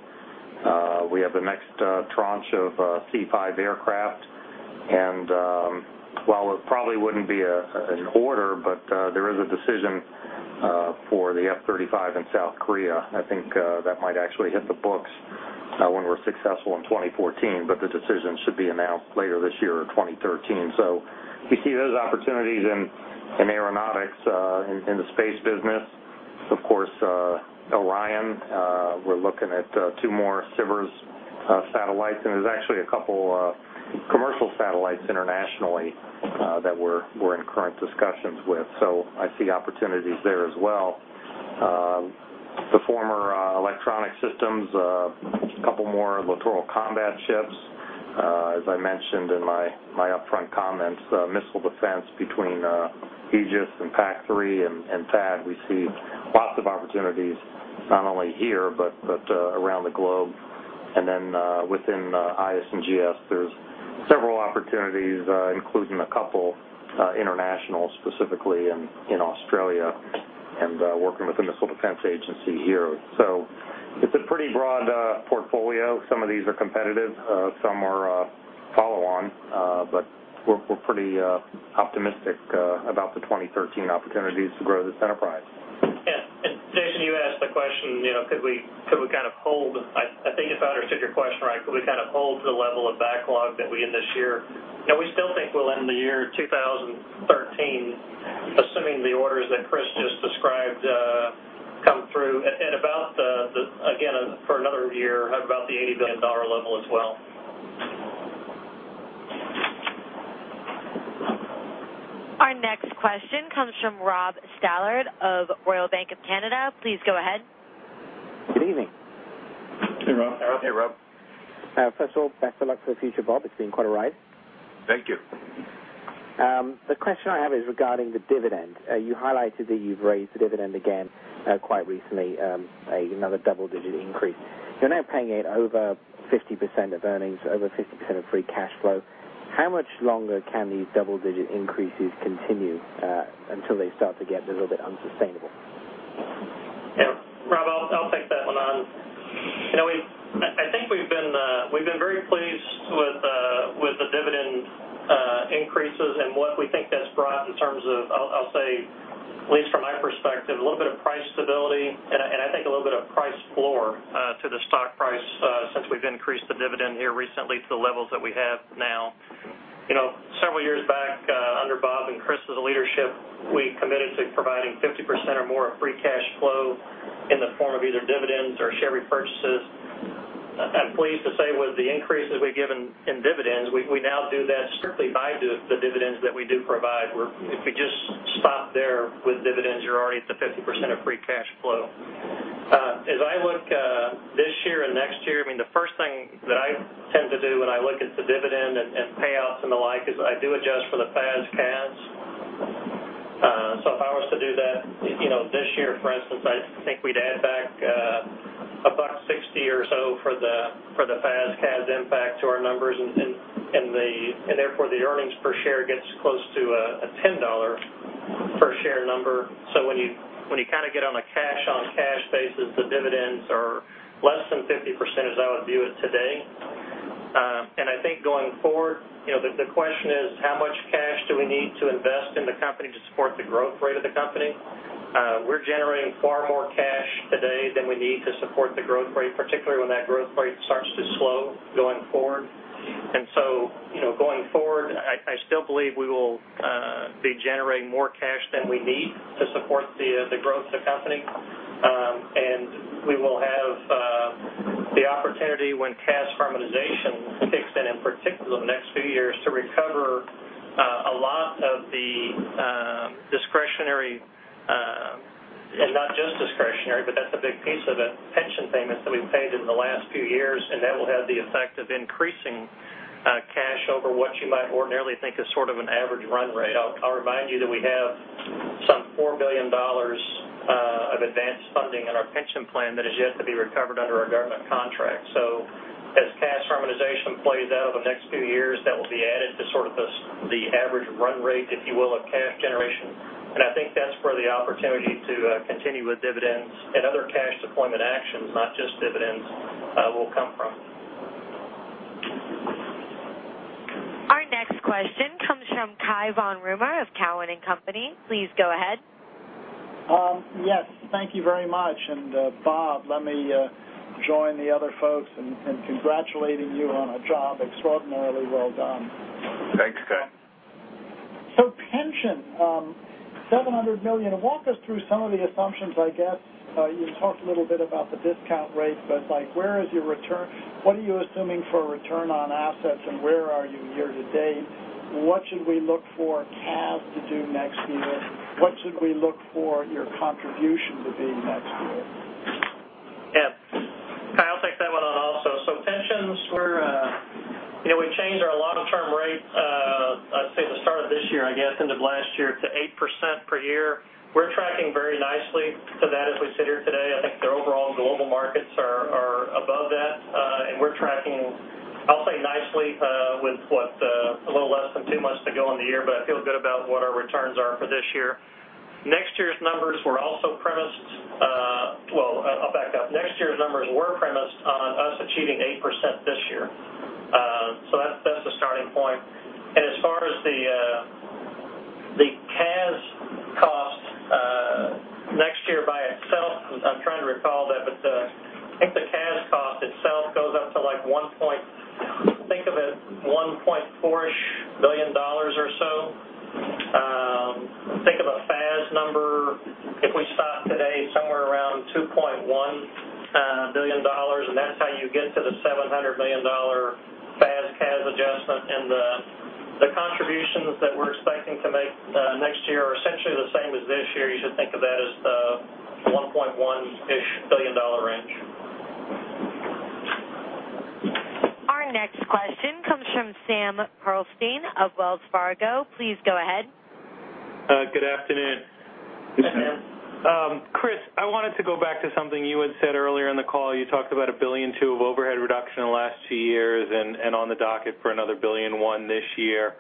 [SPEAKER 4] We have the next tranche of C-5 aircraft. While it probably wouldn't be an order, there is a decision for the F-35 in South Korea. I think that might actually hit the books when we're successful in 2014, but the decision should be announced later this year in 2013. We see those opportunities in aeronautics. In the space business, of course, Orion, we're looking at two more SBIRS satellites, and there's actually a couple commercial satellites internationally that we're in current discussions with. I see opportunities there as well. The former electronic systems, a couple more Littoral Combat Ships. As I mentioned in my upfront comments, missile defense between Aegis and PAC-3 and THAAD, we see lots of opportunities, not only here, but around the globe. Within IS&GS, there's several opportunities including a couple international, specifically in Australia and working with the Missile Defense Agency here. It's a pretty broad portfolio. Some of these are competitive, some are follow on, but we're pretty optimistic about the 2013 opportunities to grow this enterprise.
[SPEAKER 5] Yeah. Jason, you asked the question, could we kind of hold, I think if I understood your question right, could we kind of hold the level of backlog that we end this year? We still think we'll end the year 2013, assuming the orders that Chris just described come through at about the, again, for another year, at about the $80 billion level as well.
[SPEAKER 1] Our next question comes from Robert Stallard of Royal Bank of Canada. Please go ahead.
[SPEAKER 12] Good evening.
[SPEAKER 3] Hey, Rob.
[SPEAKER 5] Hey, Rob.
[SPEAKER 12] First of all, best of luck for the future, Bob. It's been quite a ride.
[SPEAKER 3] Thank you.
[SPEAKER 12] The question I have is regarding the dividend. You highlighted that you've raised the dividend again quite recently, another double-digit increase. You're now paying out over 50% of earnings, over 50% of free cash flow. How much longer can these double-digit increases continue until they start to get a little bit unsustainable?
[SPEAKER 5] Yeah. Rob, I'll take that one on. I think we've been very pleased with the dividend increases and what we think that's brought in terms of, I'll say, at least from my perspective, a little bit of price stability and I think a little bit of price floor to the stock price since we've increased the dividend here recently to the levels that we have now. Several years back, under Bob and Chris' leadership, we committed to providing 50% or more of free cash flow in the form of either dividends or share repurchases. I'm pleased to say with the increases we've given in dividends, we now do that strictly by the dividends that we do provide. If we just stop there with dividends, you're already at the 50% of free cash flow. As I look this year and next year, the first thing that I tend to do when I look at the dividend and payouts and the like is I do adjust for the FAS/CAS. If I was to do that this year, for instance, I think we'd add back $1.60 or so for the FAS/CAS impact to our numbers and therefore, the earnings per share gets close to a $10 per share number. When you get on a cash on cash basis, the dividends are less than 50%, as I would view it today. I think going forward, the question is how much cash do we need to invest in the company to support the growth rate of the company? We're generating far more cash today than we need to support the growth rate, particularly when that growth rate starts to slow going forward. Going forward, I still believe we will be generating more cash than we need to support the growth of the company. We will have the opportunity when CAS harmonization kicks in particular in the next few years, to recover a lot of the discretionary, and not just discretionary, but that's a big piece of it, pension payments that we've paid in the last few years. That will have the effect of increasing cash over what you might ordinarily think as sort of an average run rate. I'll remind you that we have some $4 billion of advanced funding in our pension plan that is yet to be recovered under a government contract. As CAS harmonization plays out over the next few years, that will be added to the average run rate, if you will, of cash generation. I think that's where the opportunity to continue with dividends and other cash deployment actions, not just dividends, will come from.
[SPEAKER 1] Our next question comes from Cai von Rumohr of Cowen and Company. Please go ahead.
[SPEAKER 13] Yes, thank you very much. Bob, let me join the other folks in congratulating you on a job extraordinarily well done.
[SPEAKER 3] Thanks, Cai.
[SPEAKER 13] Pension, $700 million. Walk us through some of the assumptions, I guess. You talked a little bit about the discount rate, but where is your return? What are you assuming for a return on assets, and where are you year-to-date? What should we look for CAS to do next year? What should we look for your contribution to be next year?
[SPEAKER 5] Yeah. Cai, I'll take that one on also. Pensions, we changed our long-term rate, I'd say at the start of this year, I guess, end of last year, to 8% per year. We're tracking very nicely to that as we sit here today. I think the overall global markets are above that. We're tracking, I'll say nicely with what? A little less than two months to go in the year, but I feel good about what our returns are for this year. Well, I'll back up. Next year's numbers were premised on us achieving 8% this year. That's the starting point. As far as the CAS cost, next year by itself, I'm trying to recall that, but I think the CAS cost itself goes up to, think of it, $1.4-ish billion or so. Think of a FAS number, if we stop today, somewhere around $2.1 billion, and that's how you get to the $700 million FAS/CAS adjustment. The contributions that we're expecting to make next year are essentially the same as this year. You should think of that as the $1.1-ish billion range.
[SPEAKER 1] Our next question comes from Sam Pearlstein of Wells Fargo. Please go ahead.
[SPEAKER 14] Good afternoon.
[SPEAKER 3] Good Sam.
[SPEAKER 14] Chris, I wanted to go back to something you had said earlier in the call. You talked about $1.2 billion of overhead reduction in the last two years and on the docket for another $1.1 billion this year.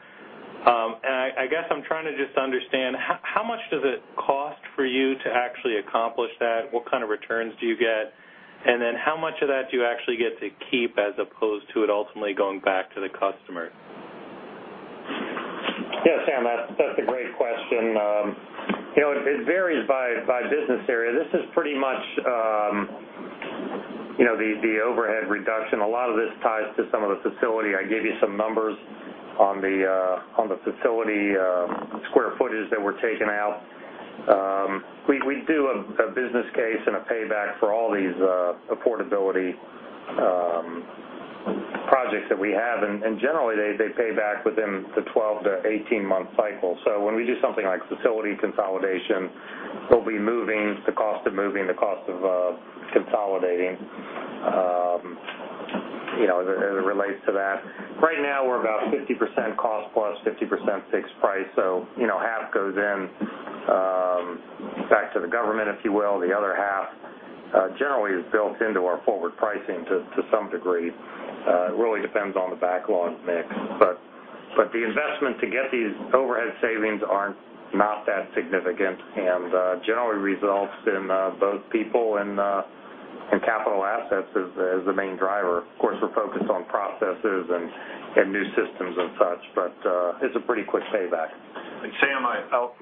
[SPEAKER 14] I guess I'm trying to just understand, how much does it cost for you to actually accomplish that? What kind of returns do you get? And then how much of that do you actually get to keep as opposed to it ultimately going back to the customer?
[SPEAKER 4] Yeah, Sam, that's a great question. It varies by business area. This is pretty much the overhead reduction. A lot of this ties to some of the facility. I gave you some numbers on the facility square footage that we're taking out. We do a business case and a payback for all these affordability projects that we have, Generally they pay back within the 12 to 18-month cycle. When we do something like facility consolidation, there'll be the cost of moving, the cost of consolidating, as it relates to that. Right now, we're about 50% cost plus 50% fixed price, so half goes back to the government, if you will. The other half generally is built into our forward pricing to some degree. It really depends on the backlog mix, The investment to get these overhead savings are not that significant and generally results in both people and capital assets as the main driver. Of course, we're focused on processes and new systems and such, but it's a pretty quick payback.
[SPEAKER 3] Sam,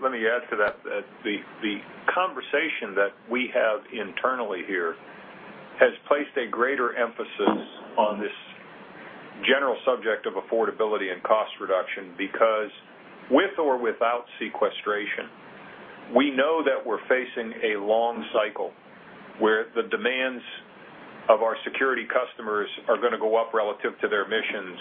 [SPEAKER 3] let me add to that, the conversation that we have internally here has placed a greater emphasis on this general subject of affordability and cost reduction. With or without sequestration, we know that we're facing a long cycle where the demands of our security customers are going to go up relative to their missions,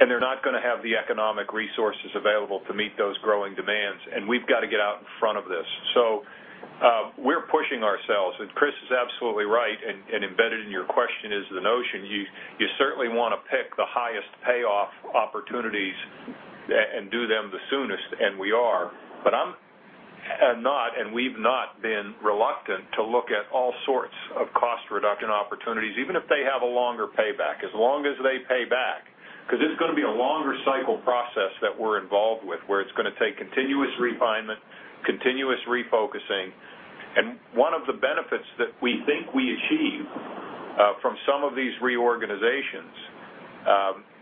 [SPEAKER 3] and they're not going to have the economic resources available to meet those growing demands. We've got to get out in front of this. We're pushing ourselves, Chris is absolutely right. Embedded in your question is the notion, you certainly want to pick the highest payoff opportunities and do them the soonest, and we are. I'm not, we've not been reluctant to look at all sorts of cost reduction opportunities, even if they have a longer payback, as long as they pay back, because it's going to be a longer cycle process that we're involved with, where it's going to take continuous refinement, continuous refocusing. One of the benefits that we think we achieve from some of these reorganizations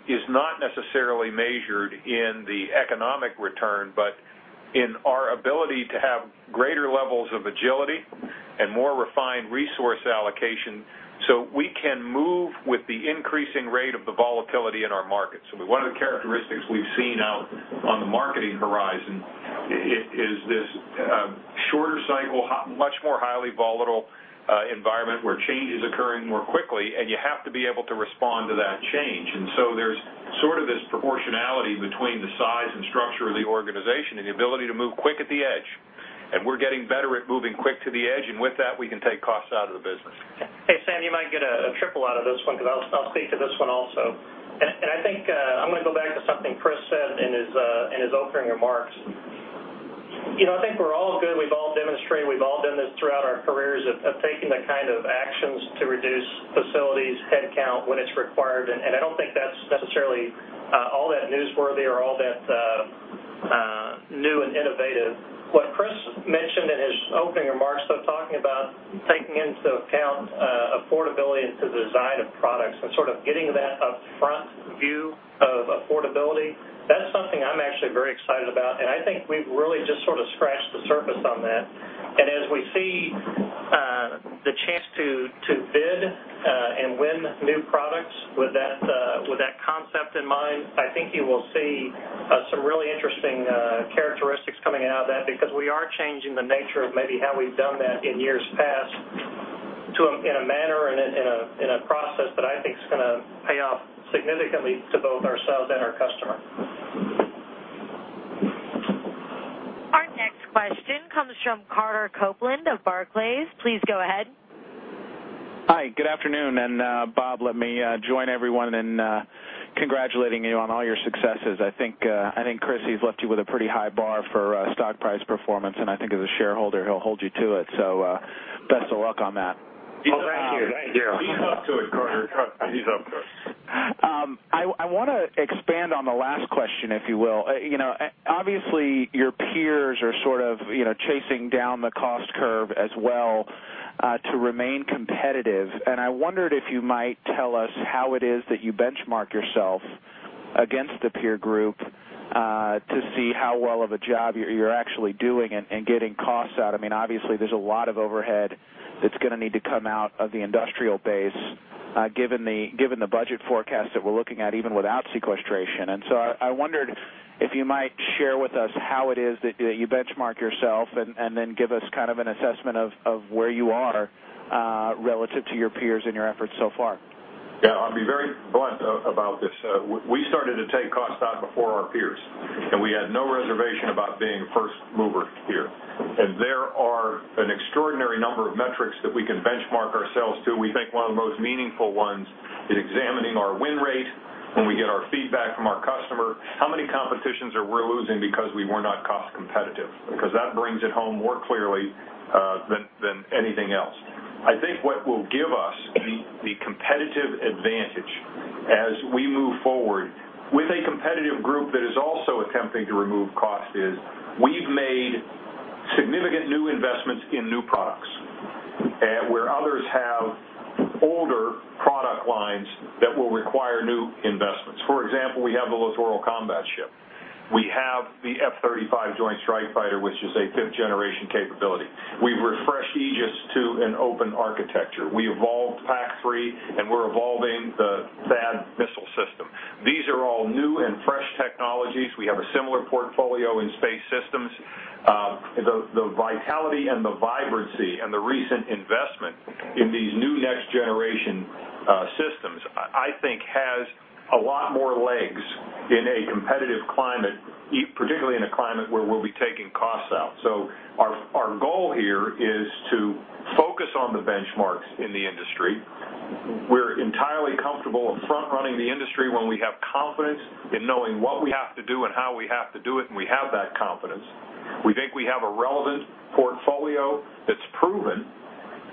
[SPEAKER 3] is not necessarily measured in the economic return, but in our ability to have greater levels of agility and more refined resource allocation, so we can move with the increasing rate of the volatility in our markets. One of the characteristics we've seen out on the marketing horizon is this shorter cycle, much more highly volatile environment where change is occurring more quickly, and you have to be able to respond to that change. There's sort of this proportionality between the size and structure of the organization and the ability to move quick at the edge. We're getting better at moving quick to the edge, and with that, we can take costs out of the business.
[SPEAKER 5] Hey, Sam, you might get a triple out of this one because I'll speak to this one also. I think I'm going to go back to something Chris said in his opening remarks. I think we're all good. We've all demonstrated, we've all done this throughout our careers, of taking the kind of actions to reduce facilities, headcount when it's required, and I don't think that's necessarily all that newsworthy or all that new and innovative. What Chris mentioned in his opening remarks, though, talking about taking into account affordability into the design of products and sort of getting that upfront view of affordability, that's something I'm actually very excited about, and I think we've really just sort of scratched the surface on that. As we see the chance to bid and win new products with that concept in mind, I think you will see some really interesting characteristics coming out of that, because we are changing the nature of maybe how we've done that in years past in a manner and in a process that I think is going to pay off significantly to both ourselves and our customer.
[SPEAKER 1] Our next question comes from Carter Copeland of Barclays. Please go ahead.
[SPEAKER 15] Hi, good afternoon, and Bob, let me join everyone in congratulating you on all your successes. I think Chris has left you with a pretty high bar for stock price performance, and I think as a shareholder, he'll hold you to it, so best of luck on that.
[SPEAKER 3] Oh, thank you.
[SPEAKER 4] He's up to it, Carter. He's up to it.
[SPEAKER 15] I want to expand on the last question, if you will. Obviously, your peers are sort of chasing down the cost curve as well to remain competitive. I wondered if you might tell us how it is that you benchmark yourself against a peer group to see how well of a job you're actually doing and getting costs out. Obviously, there's a lot of overhead that's going to need to come out of the industrial base given the budget forecast that we're looking at, even without sequestration. I wondered if you might share with us how it is that you benchmark yourself and then give us kind of an assessment of where you are relative to your peers and your efforts so far.
[SPEAKER 3] Yeah, I'll be very blunt about this. We started to take costs out before our peers, we had no reservation about being a first mover here. There are an extraordinary number of metrics that we can benchmark ourselves to. We think one of the most meaningful ones is examining our win rate when we get our feedback from our customer. How many competitions are we losing because we were not cost competitive? Because that brings it home more clearly than anything else. I think what will give us the competitive advantage as we move forward with a competitive group that is also attempting to remove cost is we've made significant new investments in new products, where others have older product lines that will require new investments. For example, we have the Littoral Combat Ship. We have the F-35 Joint Strike Fighter, which is a fifth-generation capability. We've refreshed Aegis to an open architecture. We evolved PAC-3, and we're evolving the THAAD missile system. These are all new and fresh technologies. We have a similar portfolio in space systems. The vitality and the vibrancy and the recent investment in these new next generation systems, I think has a lot more legs in a competitive climate, particularly in a climate where we'll be taking costs out. Our goal here is to focus on the benchmarks in the industry. We're entirely comfortable with front-running the industry when we have confidence in knowing what we have to do and how we have to do it, and we have that confidence. We think we have a relevant portfolio that's proven,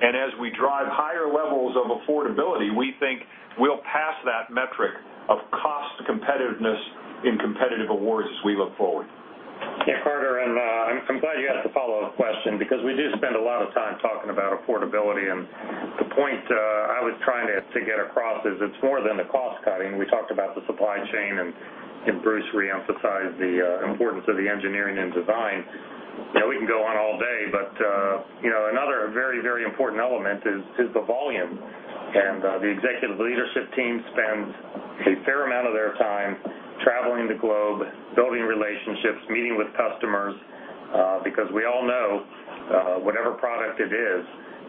[SPEAKER 3] and as we drive higher levels of affordability, we think we'll pass that metric of cost competitiveness in competitive awards as we look forward.
[SPEAKER 4] Yeah, Carter, I'm glad you asked the follow-up question because we do spend a lot of time talking about affordability, and the point I was trying to get across is it's more than the cost cutting. We talked about the supply chain, and Bruce re-emphasized the importance of the engineering and design. We can go on all day, but another very, very important element is the volume. The executive leadership team spends a fair amount of their time traveling the globe, building relationships, meeting with customers, because we all know, whatever product it is,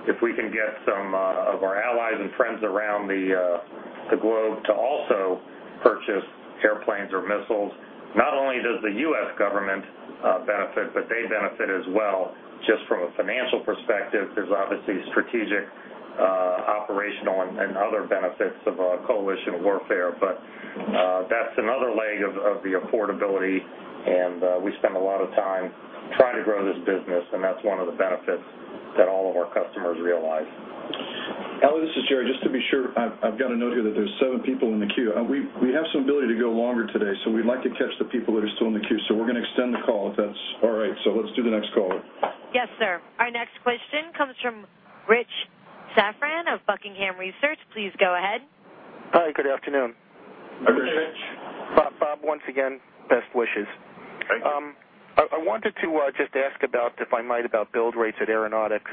[SPEAKER 4] if we can get some of our allies and friends around the globe to also purchase airplanes or missiles, not only does the U.S. government benefit, but they benefit as well, just from a financial perspective. There's obviously strategic, operational, and other benefits of coalition warfare. That's another leg of the affordability, and we spend a lot of time trying to grow this business, and that's one of the benefits that all of our customers realize.
[SPEAKER 2] Ellie, this is Jerry. Just to be sure, I've got a note here that there's seven people in the queue. We have some ability to go longer today, we'd like to catch the people that are still in the queue. We're going to extend the call, if that's all right. Let's do the next caller.
[SPEAKER 1] Yes, sir. Our next question comes from Rich Safran of Buckingham Research. Please go ahead.
[SPEAKER 16] Hi. Good afternoon.
[SPEAKER 5] Good afternoon.
[SPEAKER 4] Hi, Rich.
[SPEAKER 16] Bob, once again, best wishes.
[SPEAKER 5] Thank you.
[SPEAKER 16] I wanted to just ask, if I might, about build rates at Aeronautics,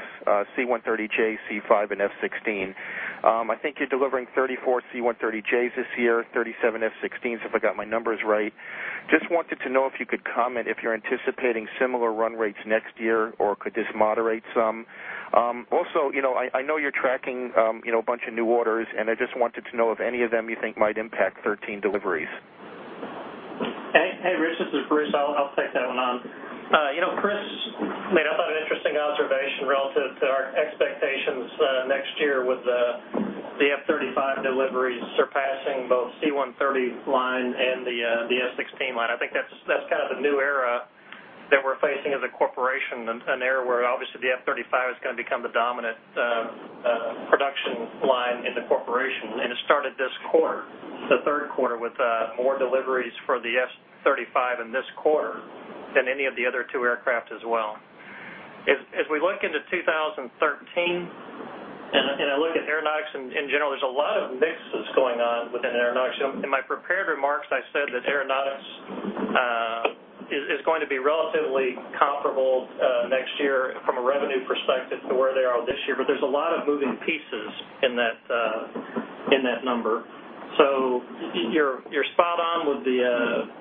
[SPEAKER 16] C-130J, C-5, and F-16. I think you're delivering 34 C-130Js this year, 37 F-16s, if I got my numbers right. Just wanted to know if you could comment if you're anticipating similar run rates next year, or could this moderate some? I know you're tracking a bunch of new orders, and I just wanted to know if any of them you think might impact 2013 deliveries.
[SPEAKER 5] Hey, Rich, this is Bruce. I'll take that one on. Chris made a lot of interesting observation relative to our expectations next year with the F-35 deliveries surpassing both C-130 line and the F-16 line. I think that's kind of the new era that we're facing as a corporation, an era where obviously the F-35 is going to become the dominant production line in the corporation. It started this quarter, the third quarter, with more deliveries for the F-35 in this quarter than any of the other two aircraft as well. As we look into 2013, I look at Aeronautics in general, there's a lot of mixes going on within Aeronautics. In my prepared remarks, I said that Aeronautics is going to be relatively comparable next year from a revenue perspective to where they are this year. There's a lot of moving pieces in that number. You're spot on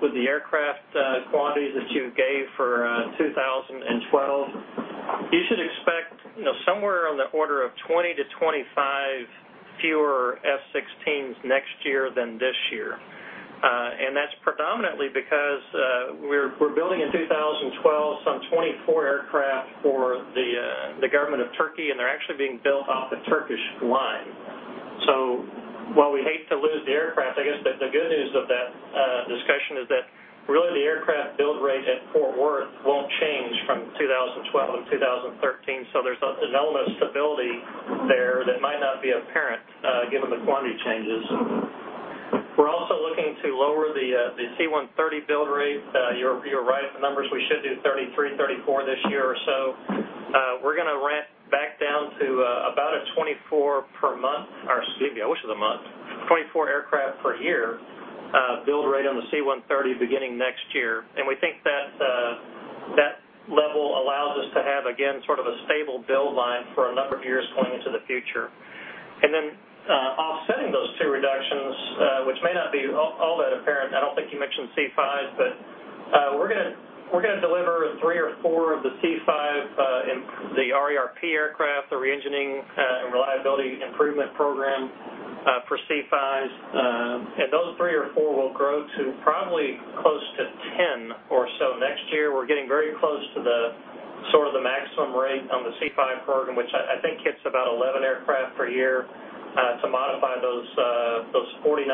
[SPEAKER 5] with the aircraft quantities that you gave for 2012. You should expect somewhere on the order of 20 to 25 fewer F-16s next year than this year. That's predominantly because we're building in 2012 some 24 aircraft for the government of Turkey, and they're actually being built off a Turkish line. While we hate to lose the aircraft, I guess the good news of that discussion is that really the aircraft build rate at Fort Worth won't change from 2012 and 2013. There's an element of stability there that might not be apparent given the quantity changes. We're also looking to lower the C-130 build rate. You're right with the numbers. We should do 33, 34 this year or so. We're going to ramp back down to about a 24 per month, or excuse me, I wish it was a month, 24 aircraft per year build rate on the C-130 beginning next year. We think that level allows us to have, again, sort of a stable build line for a number of years going into the future. Then offsetting those two reductions, which may not be all that apparent, I don't think you mentioned C-5s, but we're going to deliver three or four of the C-5 in the RERP aircraft, the Reliability Enhancement and Re-engining Program for C-5s. Those three or four will grow to probably close to 10 or so next year. We're getting very close to the sort of the maximum rate on the C-5 program, which I think hits about 11 aircraft per year, to modify those 49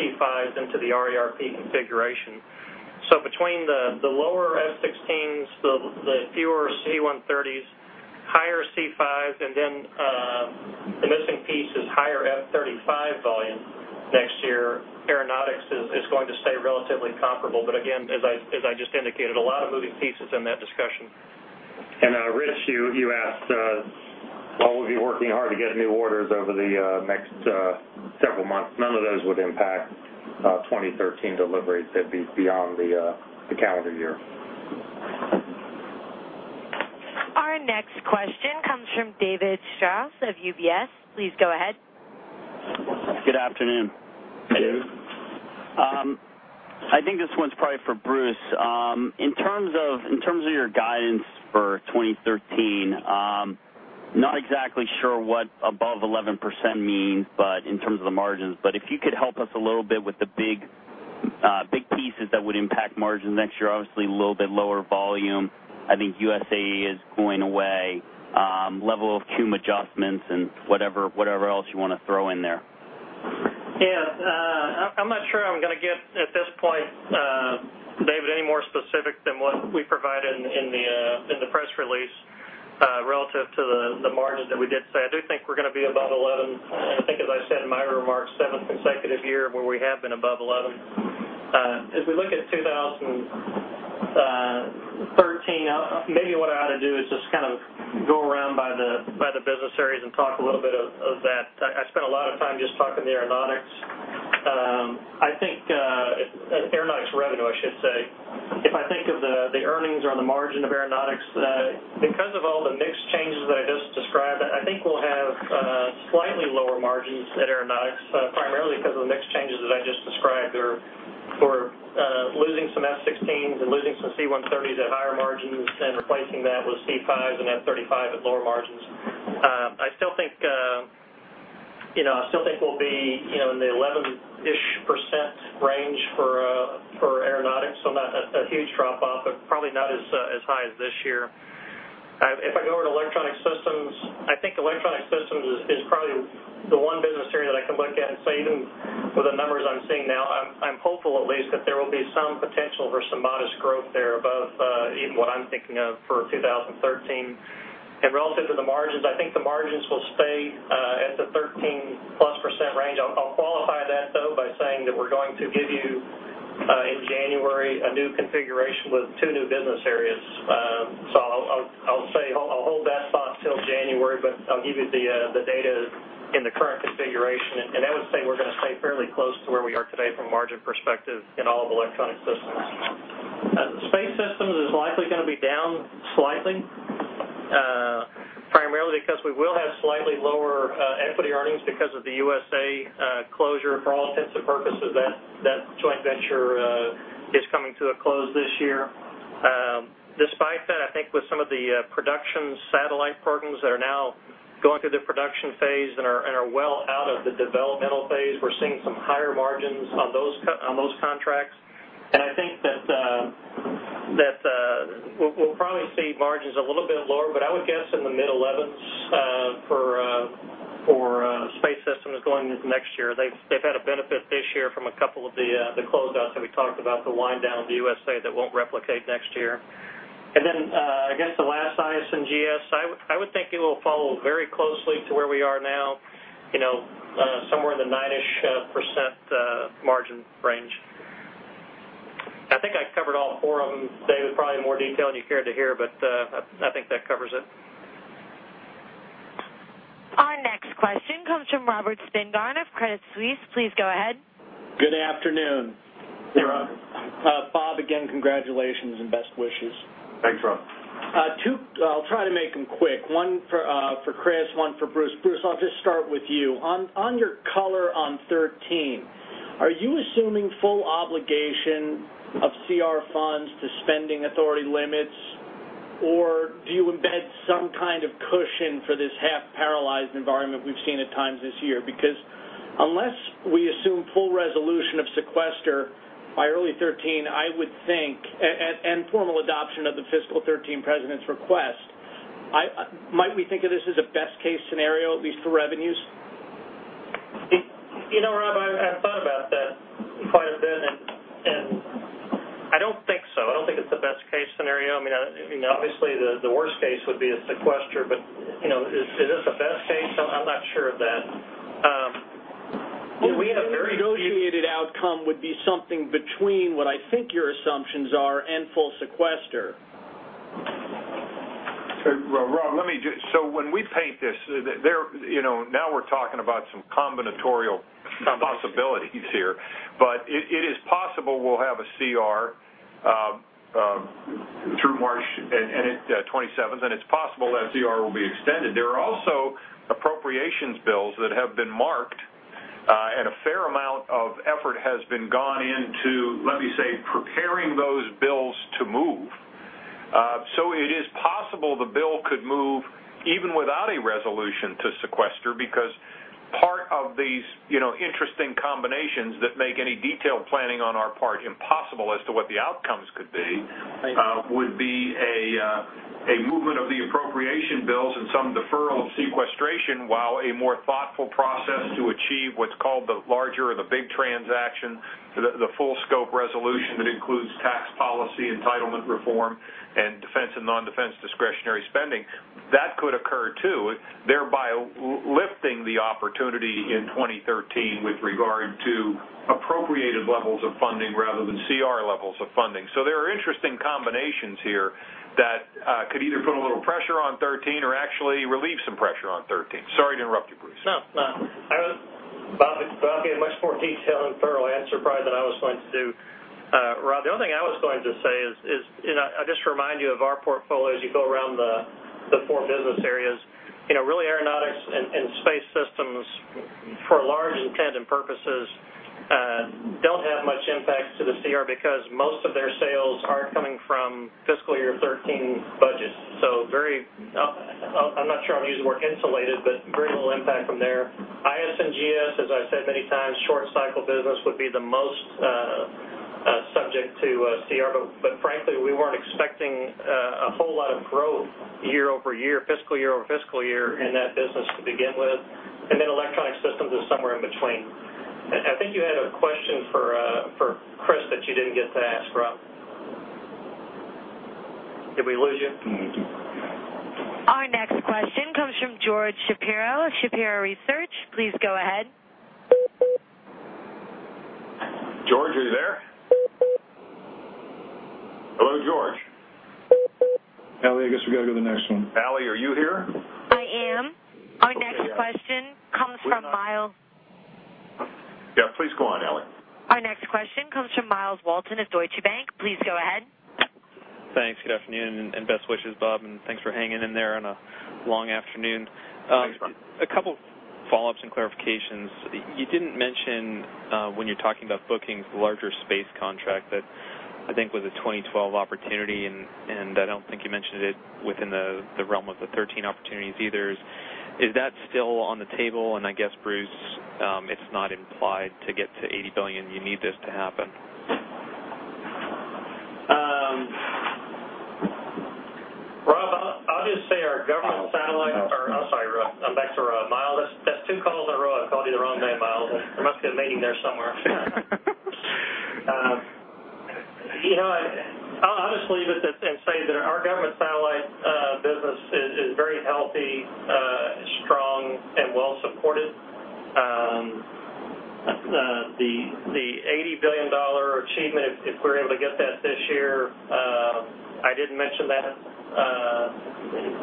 [SPEAKER 5] C-5s into the RERP configuration. Between the lower F-16s, the fewer C-130s, higher C-5s, and then the missing piece is higher F-35 volume next year, Aeronautics is going to stay relatively comparable. Again, as I just indicated, a lot of moving pieces in that discussion.
[SPEAKER 4] Rich, you asked, while we'll be working hard to get new orders over the next several months, none of those would impact 2013 deliveries. They'd be beyond the calendar year.
[SPEAKER 1] Our next question comes from David Strauss of UBS. Please go ahead.
[SPEAKER 17] Good afternoon.
[SPEAKER 5] Hey.
[SPEAKER 17] I think this one's probably for Bruce. In terms of your guidance for 2013, not exactly sure what above 11% means, but in terms of the margins. If you could help us a little bit with the big pieces that would impact margins next year. Obviously, a little bit lower volume. I think USA is going away. Level of cumulative adjustments and whatever else you want to throw in there.
[SPEAKER 5] Yeah. I'm not sure I'm going to get, at this point, David, any more specific than what we provided in the press release, relative to the margins that we did say. I do think we're going to be above 11. I think, as I said in my remarks, seventh consecutive year where we have been above 11. As we look at 2013, maybe what I ought to do is just kind of go around by the business areas and talk a little bit of that. I spent a lot of time just talking to Aeronautics. Aeronautics revenue, I should say. If I think of the earnings or the margin of Aeronautics, because of all the mixed changes that I just described, I think we'll have slightly lower margins at Aeronautics, primarily because of the mix changes that I just described. We're losing some F-16s and losing some C-130s at higher margins and replacing that with C-5s and F-35 at lower margins. I still think we'll be in the 11-ish% range for Aeronautics, so not a huge drop-off, but probably not as high as this year. If I go over to Electronic Systems, I think Electronic Systems is probably the one business area that I can look at and say, even with the numbers I'm seeing now, I'm hopeful at least that there will be some potential for some modest growth there above even what I'm thinking of for 2013. Relative to the margins, I think the margins will stay at the 13 plus % range. I'll qualify that though by saying that we're going to give you, in January, a new configuration with two new business areas. I'll say I'll hold that thought till January, but I'll give you the data in the current configuration, and I would say we're going to stay fairly close to where we are today from a margin perspective in all of Electronic Systems. Space Systems is likely going to be down slightly, primarily because we will have slightly lower equity earnings because of the USA closure for all intents and purposes. That joint venture is coming to a close this year. Despite that, I think with some of the production satellite programs that are now going through the production phase and are well out of the developmental phase, we're seeing some higher margins on those contracts. I think that we'll probably see margins a little bit lower, but I would guess in the mid-11s for Space Systems going into next year. They've had a benefit this year from a couple of the closeouts that we talked about, the wind down of the USA that won't replicate next year. I guess the last, IS&GS, I would think it will follow very closely to where we are now. Somewhere in the nine-ish % margin range. I think I covered all four of them, David, probably in more detail than you cared to hear, but I think that covers it.
[SPEAKER 1] Our next question comes from Robert Spingarn of Credit Suisse. Please go ahead.
[SPEAKER 18] Good afternoon.
[SPEAKER 3] Hey, Rob.
[SPEAKER 18] Bob, again, congratulations and best wishes.
[SPEAKER 3] Thanks, Rob.
[SPEAKER 18] Two, I'll try to make them quick. One for Chris, one for Bruce. Bruce, I'll just start with you. On your color on 2013, are you assuming full obligation of CR funds to spending authority limits, or do you embed some kind of cushion for this half-paralyzed environment we've seen at times this year? Because unless we assume full resolution of sequester by early 2013, I would think, and formal adoption of the fiscal 2013 president's request, might we think of this as a best case scenario, at least for revenues?
[SPEAKER 5] Rob, I've thought about that quite a bit. I don't think so. I don't think it's the best case scenario. Obviously, the worst case would be a sequester. Is this the best case? I'm not sure of that.
[SPEAKER 18] A negotiated outcome would be something between what I think your assumptions are and full sequester.
[SPEAKER 5] Rob, when we paint this, now we're talking about some combinatorial possibilities here, but it is possible we'll have a CR through March 27th, and it's possible that CR will be extended. There are also appropriations bills that have been marked, and a fair amount of effort has been gone into, let me say, preparing those bills to move. It is possible the bill could move even without a resolution to sequester because part of these interesting combinations that make any detailed planning on our part impossible as to what the outcomes could be, would be a movement of the appropriation bills and some deferral of sequestration while a more thoughtful process to achieve what's called the larger or the big transaction, the full scope resolution that includes tax policy, entitlement reform, and defense and non-defense discretionary spending.
[SPEAKER 3] That could occur, too, thereby lifting the opportunity in 2013 with regard to appropriated levels of funding rather than CR levels of funding. There are interesting combinations here that could either put a little pressure on '13 or actually relieve some pressure on '13. Sorry to interrupt you, Bruce.
[SPEAKER 18] No.
[SPEAKER 5] Bob gave much more detail in Rob, the only thing I was going to say is, just to remind you of our portfolio as you go around the four business areas. Really, Aeronautics and Space Systems, for large intent and purposes, don't have much impact to the CR because most of their sales are coming from fiscal year 2013 budgets. I'm not sure I'm going to use the word insulated, but very little impact from there. IS&GS, as I've said many times, short-cycle business would be the most subject to CR, but frankly, we weren't expecting a whole lot of growth year-over-year, fiscal year-over-fiscal year in that business to begin with. Electronic Systems is somewhere in between. I think you had a question for Chris that you didn't get to ask, Rob. Did we lose you?
[SPEAKER 1] Our next question comes from George Shapiro of Shapiro Research. Please go ahead.
[SPEAKER 3] George, are you there? Hello, George.
[SPEAKER 2] Ellie, I guess we got to go to the next one.
[SPEAKER 3] Ellie, are you here?
[SPEAKER 1] I am.
[SPEAKER 3] Okay, got it. Our next question comes from Myles. Yeah, please go on, Ellie.
[SPEAKER 1] Our next question comes from Myles Walton of Deutsche Bank. Please go ahead.
[SPEAKER 19] Thanks. Good afternoon and best wishes, Bob, and thanks for hanging in there on a long afternoon.
[SPEAKER 3] Thanks, Myles.
[SPEAKER 19] A couple follow-ups and clarifications. You didn't mention when you were talking about bookings, the larger space contract that I think was a 2012 opportunity, and I don't think you mentioned it within the realm of the 2013 opportunities either. Is that still on the table? I guess, Bruce, it's not implied to get to $80 billion, you need this to happen.
[SPEAKER 5] Rob, I'll just say our government satellite. I'm sorry, Rob. Back to Myles. That's two calls in a row I've called you the wrong name, Myles. There must be a meeting there somewhere. I'll just leave it at and say that our government satellite business is very healthy, strong, and well-supported. The $80 billion achievement, if we're able to get that this year, I didn't mention that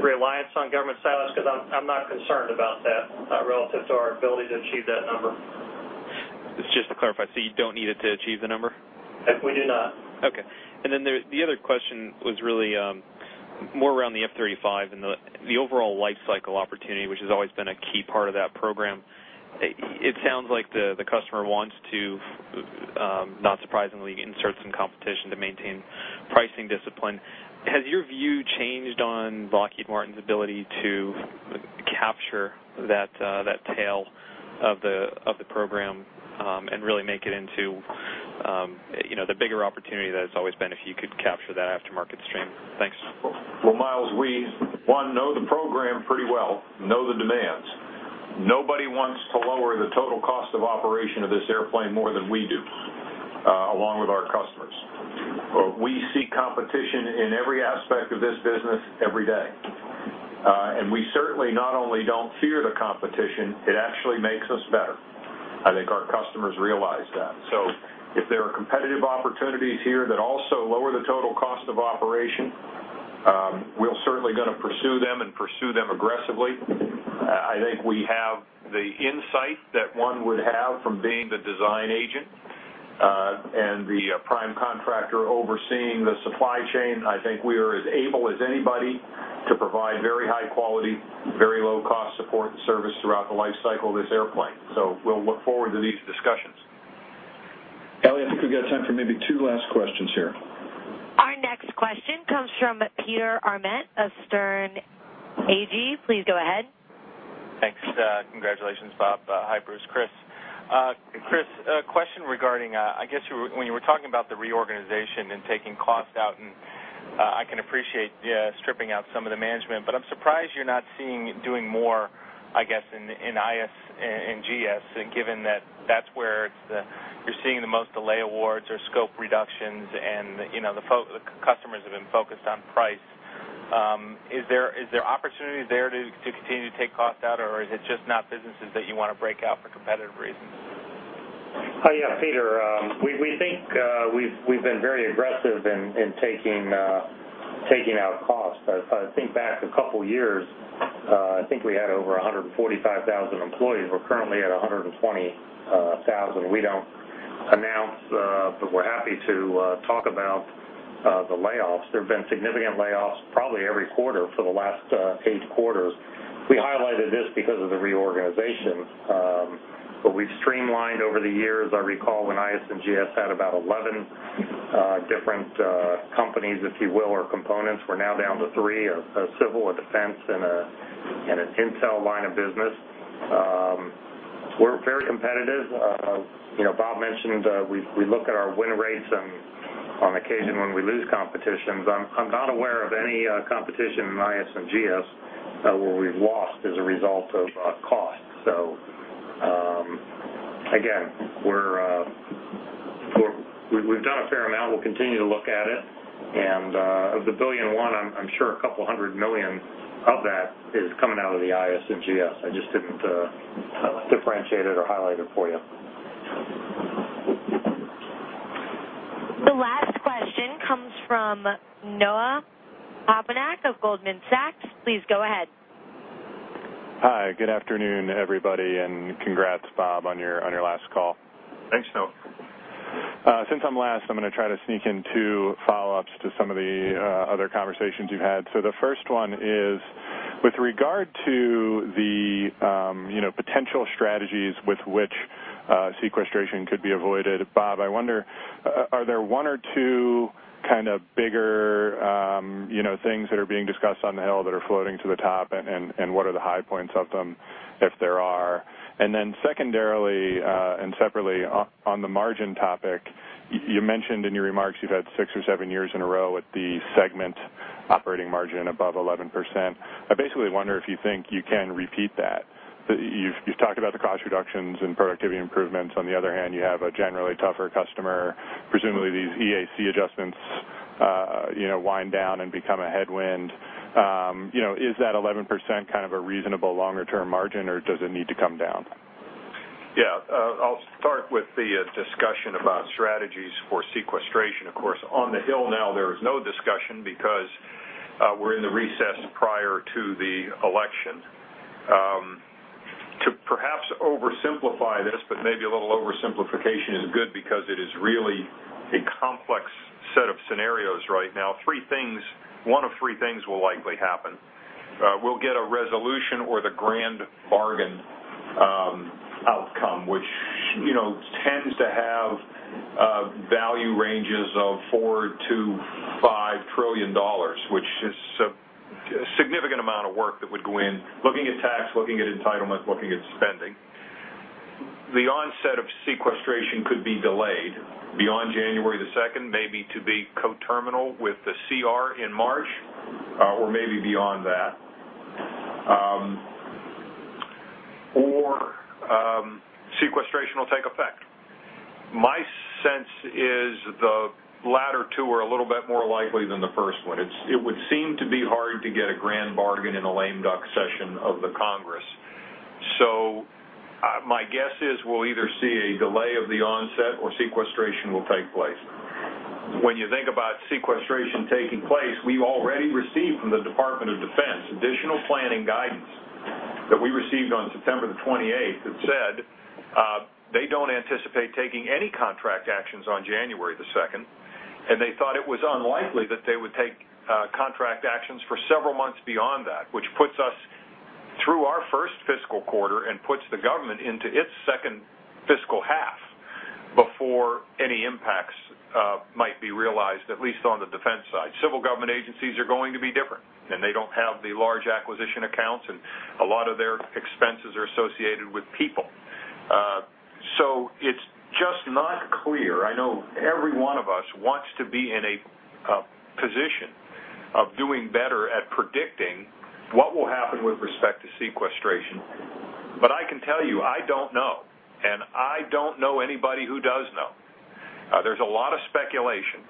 [SPEAKER 5] reliance on government satellites because I'm not concerned about that relative to our ability to achieve that number.
[SPEAKER 19] Just to clarify, you don't need it to achieve the number?
[SPEAKER 5] We do not.
[SPEAKER 19] Okay. The other question was really more around the F-35 and the overall life cycle opportunity, which has always been a key part of that program. It sounds like the customer wants to, not surprisingly, insert some competition to maintain pricing discipline. Has your view changed on Lockheed Martin's ability to capture that tail of the program, and really make it into the bigger opportunity that it's always been if you could capture that aftermarket stream? Thanks.
[SPEAKER 3] Well, Myles, we know the program pretty well, know the demands. Nobody wants to lower the total cost of operation of this airplane more than we do, along with our customers. We see competition in every aspect of this business every day. We certainly not only don't fear the competition, it actually makes us better. I think our customers realize that. If there are competitive opportunities here that also lower the total cost of operation, we'll certainly going to pursue them and pursue them aggressively. I think we have the insight that one would have from being the design agent, and the prime contractor overseeing the supply chain. I think we are as able as anybody to provide very high quality, very low cost support and service throughout the life cycle of this airplane. We'll look forward to these discussions.
[SPEAKER 2] Ellie, I think we've got time for maybe two last questions here.
[SPEAKER 1] Our next question comes from Peter Arment of Sterne Agee. Please go ahead.
[SPEAKER 20] Thanks. Congratulations, Bob. Hi, Bruce, Chris. Chris, a question regarding, I guess, when you were talking about the reorganization and taking cost out. I can appreciate stripping out some of the management, I'm surprised you're not doing more, I guess, in IS and GS, given that that's where you're seeing the most delay awards or scope reductions and the customers have been focused on price. Is there opportunity there to continue to take cost out, is it just not businesses that you want to break out for competitive reasons?
[SPEAKER 4] Peter, we think we've been very aggressive in taking out costs. If I think back a couple of years, I think we had over 145,000 employees. We're currently at 120,000. We don't announce, we're happy to talk about the layoffs. There have been significant layoffs probably every quarter for the last eight quarters. We highlighted this because of the reorganization, we've streamlined over the years. I recall when IS and GS had about 11 different companies, if you will, or components. We're now down to three, a civil, a defense, and an intel line of business. We're very competitive. Bob mentioned we look at our win rates on occasion when we lose competitions. I'm not aware of any competition in IS and GS where we've lost as a result of cost. Again, we've done a fair amount. We'll continue to look at it. Of the $1.1 billion, I'm sure $200 million of that is coming out of the IS&GS. I just didn't differentiate it or highlight it for you.
[SPEAKER 1] The last question comes from Noah Poponak of Goldman Sachs. Please go ahead.
[SPEAKER 21] Hi, good afternoon, everybody, congrats, Bob, on your last call.
[SPEAKER 3] Thanks, Noah.
[SPEAKER 21] Since I'm last, I'm going to try to sneak in two follow-ups to some of the other conversations you've had. The first one is, with regard to the potential strategies with which sequestration could be avoided, Bob, I wonder, are there one or two kind of bigger things that are being discussed on the Hill that are floating to the top, and what are the high points of them, if there are? Secondarily, and separately, on the margin topic, you mentioned in your remarks you've had six or seven years in a row with the segment operating margin above 11%. I basically wonder if you think you can repeat that. You've talked about the cost reductions and productivity improvements. On the other hand, you have a generally tougher customer. Presumably, these EAC adjustments wind down and become a headwind. Is that 11% kind of a reasonable longer-term margin, or does it need to come down?
[SPEAKER 3] I'll start with the discussion about strategies for sequestration. Of course, on the Hill now, there is no discussion because we're in the recess prior to the election. To perhaps oversimplify this, but maybe a little oversimplification is good because it is really a complex set of scenarios right now. One of three things will likely happen. We'll get a resolution or the grand bargain outcome, which tends to have value ranges of $4 trillion-$5 trillion, which is a significant amount of work that would go in looking at tax, looking at entitlements, looking at spending. The onset of sequestration could be delayed beyond January the 2nd, maybe to be co-terminal with the CR in March, or maybe beyond that. Sequestration will take effect. My sense is the latter two are a little bit more likely than the first one. It would seem to be hard to get a grand bargain in a lame duck session of the Congress. My guess is we'll either see a delay of the onset or sequestration will take place. When you think about sequestration taking place, we've already received from the Department of Defense additional planning guidance that we received on September the 28th that said they don't anticipate taking any contract actions on January the 2nd, and they thought it was unlikely that they would take contract actions for several months beyond that, which puts us through our first fiscal quarter and puts the government into its second fiscal half before any impacts might be realized, at least on the defense side. Civil government agencies are going to be different, and they don't have the large acquisition accounts, and a lot of their expenses are associated with people. It's just not clear. I know every one of us wants to be in a position of doing better at predicting what will happen with respect to sequestration. I can tell you, I don't know, and I don't know anybody who does know. There's a lot of speculation,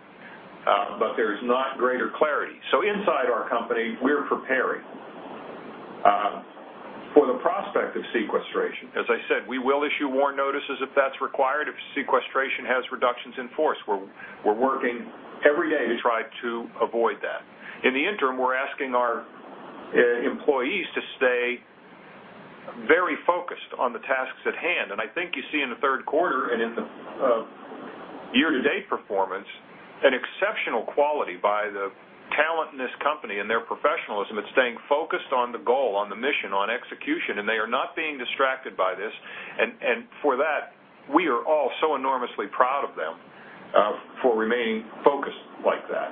[SPEAKER 3] but there's not greater clarity. Inside our company, we're preparing for the prospect of sequestration. As I said, we will issue warn notices if that's required, if sequestration has reductions in force. We're working every day to try to avoid that. In the interim, we're asking our employees to stay very focused on the tasks at hand. I think you see in the third quarter and in the year-to-date performance an exceptional quality by the talent in this company and their professionalism at staying focused on the goal, on the mission, on execution, and they are not being distracted by this. For that, we are all so enormously proud of them for remaining focused like that.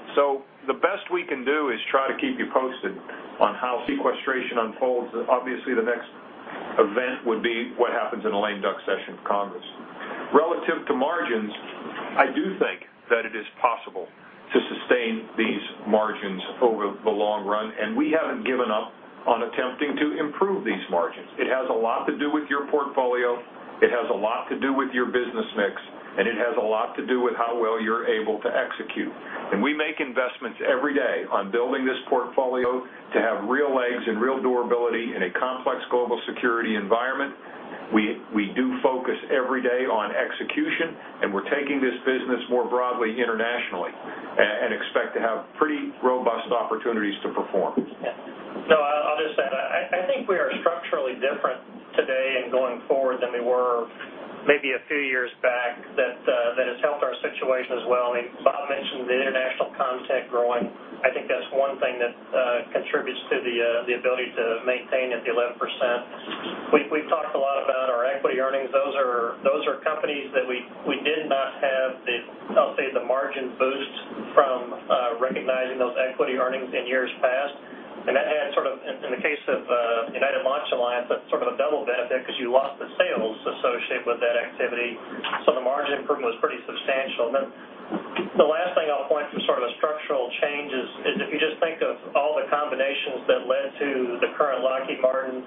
[SPEAKER 3] The best we can do is try to keep you posted on how sequestration unfolds. Obviously, the next event would be what happens in a lame duck session of Congress. Relative to margins, I do think that it is possible to sustain these margins over the long run, and we haven't given up on attempting to improve these margins. It has a lot to do with your portfolio. It has a lot to do with your business mix, it has a lot to do with how well you're able to execute. We make investments every day on building this portfolio to have real legs and real durability in a complex global security environment. We do focus every day on execution, we're taking this business more broadly internationally and expect to have pretty robust opportunities to perform.
[SPEAKER 5] I'll just add, I think we are structurally different today and going forward than we were maybe a few years back. That has helped our situation as well. Bob mentioned the international content growing. I think that's one thing that contributes to the ability to maintain at the 11%. We've talked a lot about our equity earnings. Those are companies that we did not have, I'll say, the margin boost from recognizing those equity earnings in years past. That had sort of, in the case of United Launch Alliance, that's sort of a double benefit because you lost the sales associated with that activity. The margin improvement was pretty substantial. The last thing I'll point to sort of the structural changes is if you just think of all the combinations that led to the current Lockheed Martin,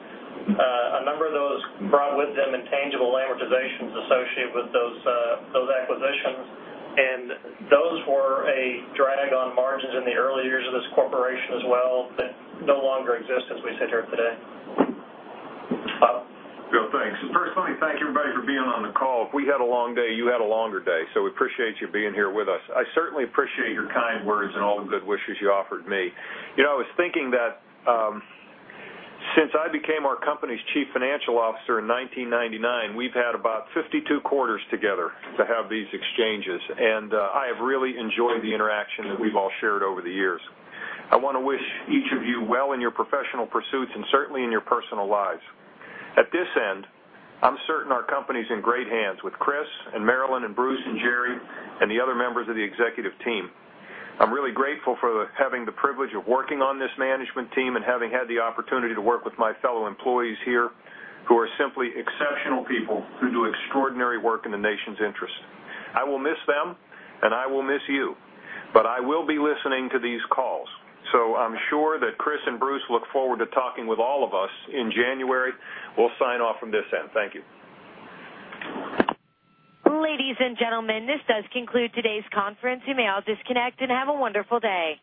[SPEAKER 5] a number of those brought with them intangible amortizations associated with those acquisitions. Those were a drag on margins in the early years of this corporation as well that no longer exist as we sit here today.
[SPEAKER 3] Bob. Bill, thanks. Firstly, thank you, everybody, for being on the call. We had a long day. You had a longer day, so we appreciate you being here with us. I certainly appreciate your kind words and all the good wishes you offered me. I was thinking that since I became our company's Chief Financial Officer in 1999, we've had about 52 quarters together to have these exchanges, and I have really enjoyed the interaction that we've all shared over the years. I want to wish each of you well in your professional pursuits and certainly in your personal lives. At this end, I'm certain our company's in great hands with Chris and Marillyn and Bruce and Jerry and the other members of the executive team. I'm really grateful for having the privilege of working on this management team and having had the opportunity to work with my fellow employees here who are simply exceptional people who do extraordinary work in the nation's interest. I will miss them, and I will miss you. I will be listening to these calls, so I'm sure that Chris and Bruce look forward to talking with all of us in January. We'll sign off from this end. Thank you.
[SPEAKER 1] Ladies and gentlemen, this does conclude today's conference. You may all disconnect, and have a wonderful day.